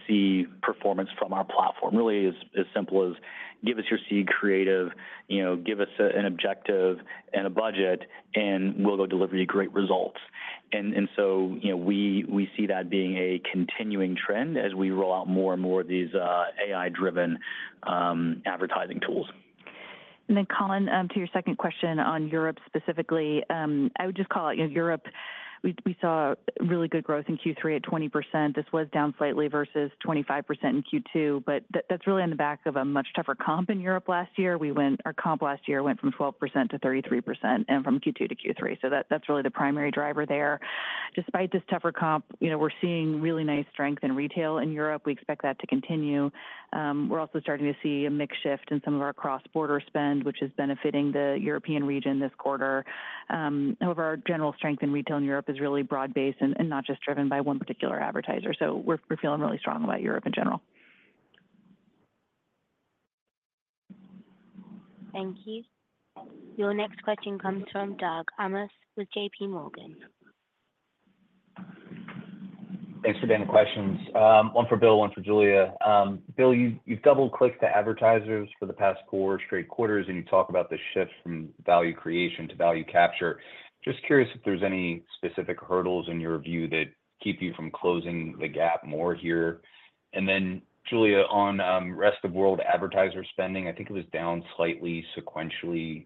see performance from our platform. Really, it's as simple as, "Give us your seed creative. Give us an objective and a budget, and we'll go deliver you great results." So we see that being a continuing trend as we roll out more and more of these AI-driven advertising tools. And then, Colin, to your second question on Europe specifically, I would just call out Europe. We saw really good growth in Q3 at 20%. This was down slightly versus 25% in Q2. But that's really on the back of a much tougher comp in Europe last year. Our comp last year went from 12%-33% and from Q2Q3. So that's really the primary driver there. Despite this tougher comp, we're seeing really nice strength in retail in Europe. We expect that to continue. We're also starting to see a mixed shift in some of our cross-border spend, which is benefiting the European region this quarter. However, our general strength in retail in Europe is really broad-based and not just driven by one particular advertiser. So we're feeling really strong about Europe in general. Thank you. Your next question comes from Doug Anmuth with J.P. Morgan. Thanks for the questions. One for Bill, one for Julia. Bill, you've doubled clicks to the advertisers for the past four straight quarters, and you talk about the shift from value creation to value capture. Just curious if there's any specific hurdles in your view that keep you from closing the gap more here. And then, Julia, on Rest of World advertiser spending, I think it was down slightly sequentially.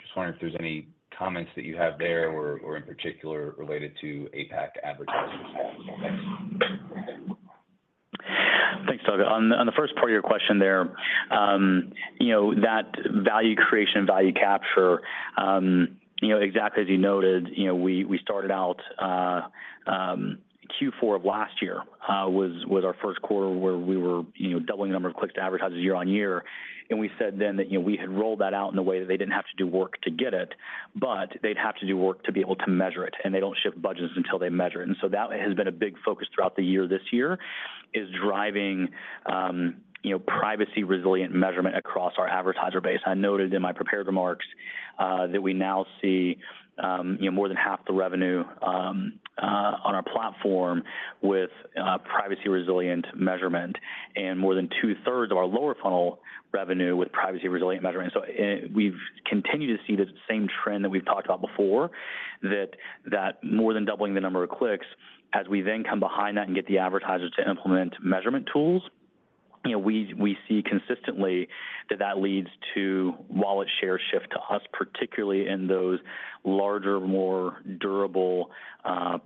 Just wondering if there's any comments that you have there or in particular related to APAC advertisers. Thanks. Thanks, Doug. On the first part of your question there, that value creation and value capture, exactly as you noted, we started out Q4 of last year was our first quarter where we were doubling the number of clicks to advertise year on year. And we said then that we had rolled that out in a way that they didn't have to do work to get it, but they'd have to do work to be able to measure it. And they don't shift budgets until they measure it. And so that has been a big focus throughout the year this year, is driving privacy-resilient measurement across our advertiser base. I noted in my prepared remarks that we now see more than half the revenue on our platform with privacy-resilient measurement and more than two-thirds of our lower funnel revenue with privacy-resilient measurement. So we've continued to see the same trend that we've talked about before, that more than doubling the number of clicks, as we then come behind that and get the advertisers to implement measurement tools, we see consistently that that leads to wallet share shift to us, particularly in those larger, more durable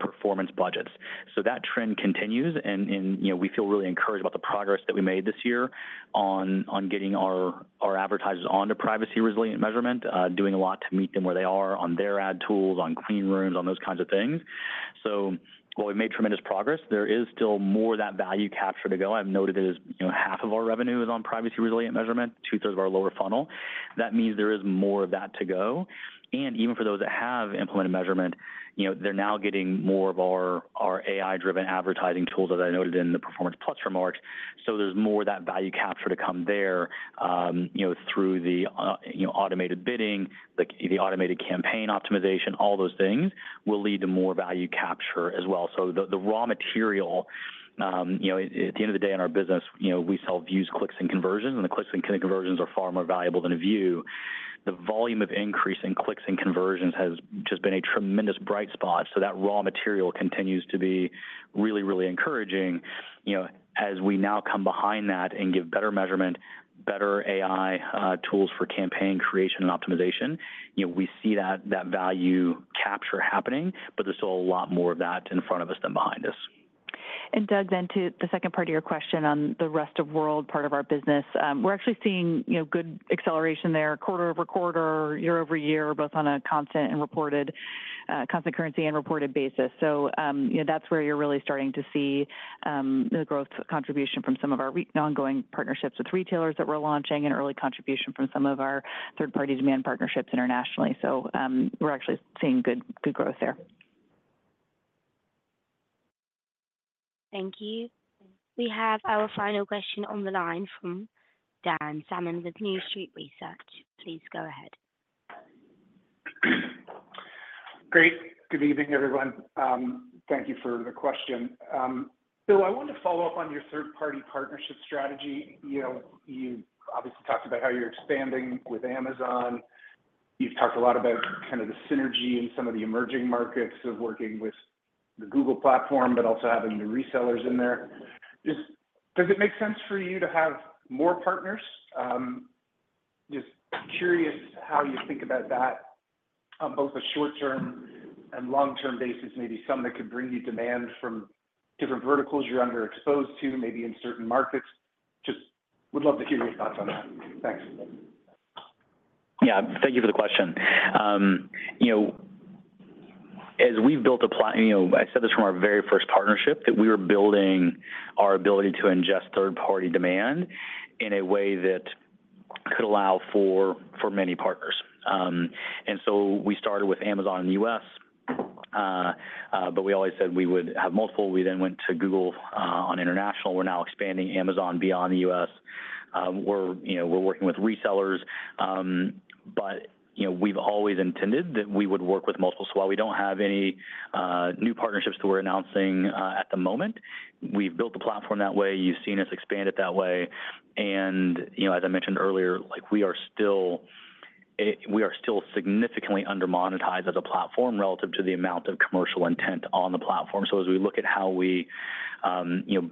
performance budgets. So that trend continues. And we feel really encouraged about the progress that we made this year on getting our advertisers onto privacy-resilient measurement, doing a lot to meet them where they are on their ad tools, on clean rooms, on those kinds of things. So while we've made tremendous progress, there is still more of that value capture to go. I've noted that half of our revenue is on privacy-resilient measurement, two-thirds of our lower funnel. That means there is more of that to go. And even for those that have implemented measurement, they're now getting more of our AI-driven advertising tools that I noted in the Performance+ remarks. So there's more of that value capture to come there through the automated bidding, the automated campaign optimization, all those things will lead to more value capture as well. So the raw material, at the end of the day in our business, we sell views, clicks, and conversions. And the clicks and conversions are far more valuable than a view. The volume of increase in clicks and conversions has just been a tremendous bright spot. So that raw material continues to be really, really encouraging. As we now come behind that and give better measurement, better AI tools for campaign creation and optimization, we see that value capture happening, but there's still a lot more of that in front of us than behind us. Doug, then to the second part of your question on the Rest of World part of our business, we're actually seeing good acceleration there, quarter-over-quarter, year-over-year, both on a constant and reported constant currency and reported basis. So that's where you're really starting to see the growth contribution from some of our ongoing partnerships with retailers that we're launching and early contribution from some of our third-party demand partnerships internationally. So we're actually seeing good growth there. Thank you. We have our final question on the line from Dan Salmon with New Street Research. Please go ahead. Great. Good evening, everyone. Thank you for the question. Bill, I want to follow up on your third-party partnership strategy. You obviously talked about how you're expanding with Amazon. You've talked a lot about kind of the synergy in some of the emerging markets of working with the Google platform, but also having the resellers in there. Does it make sense for you to have more partners? Just curious how you think about that on both a short-term and long-term basis, maybe some that could bring you demand from different verticals you're underexposed to, maybe in certain markets. Just would love to hear your thoughts on that. Thanks. Yeah. Thank you for the question. As we've built a plan, I said this from our very first partnership, that we were building our ability to ingest third-party demand in a way that could allow for many partners. And so we started with Amazon in the U.S., but we always said we would have multiple. We then went to Google on international. We're now expanding Amazon beyond the U.S. We're working with resellers. But we've always intended that we would work with multiple. So while we don't have any new partnerships that we're announcing at the moment, we've built the platform that way. You've seen us expand it that way. And as I mentioned earlier, we are still significantly undermonetized as a platform relative to the amount of commercial intent on the platform. So as we look at how we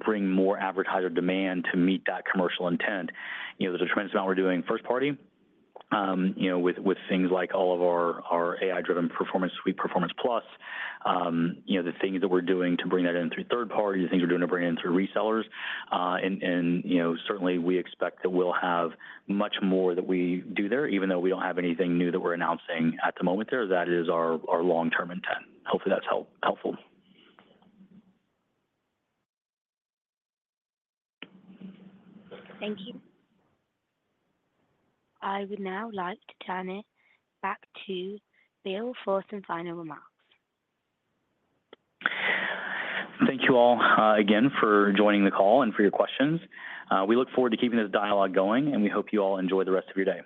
bring more advertiser demand to meet that commercial intent, there's a tremendous amount we're doing first-party with things like all of our AI-driven Performance Suite, Performance+, the things that we're doing to bring that in through third-party, the things we're doing to bring it in through resellers. And certainly, we expect that we'll have much more that we do there, even though we don't have anything new that we're announcing at the moment there. That is our long-term intent. Hopefully, that's helpful. Thank you. I would now like to turn it back to Bill for some final remarks. Thank you all again for joining the call and for your questions. We look forward to keeping this dialogue going, and we hope you all enjoy the rest of your day.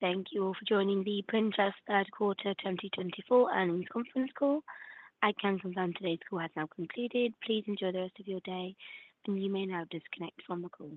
Thank you all for joining the Pinterest Third Quarter 2024 earnings conference call. I can confirm today's call has now concluded. Please enjoy the rest of your day, and you may now disconnect from the call.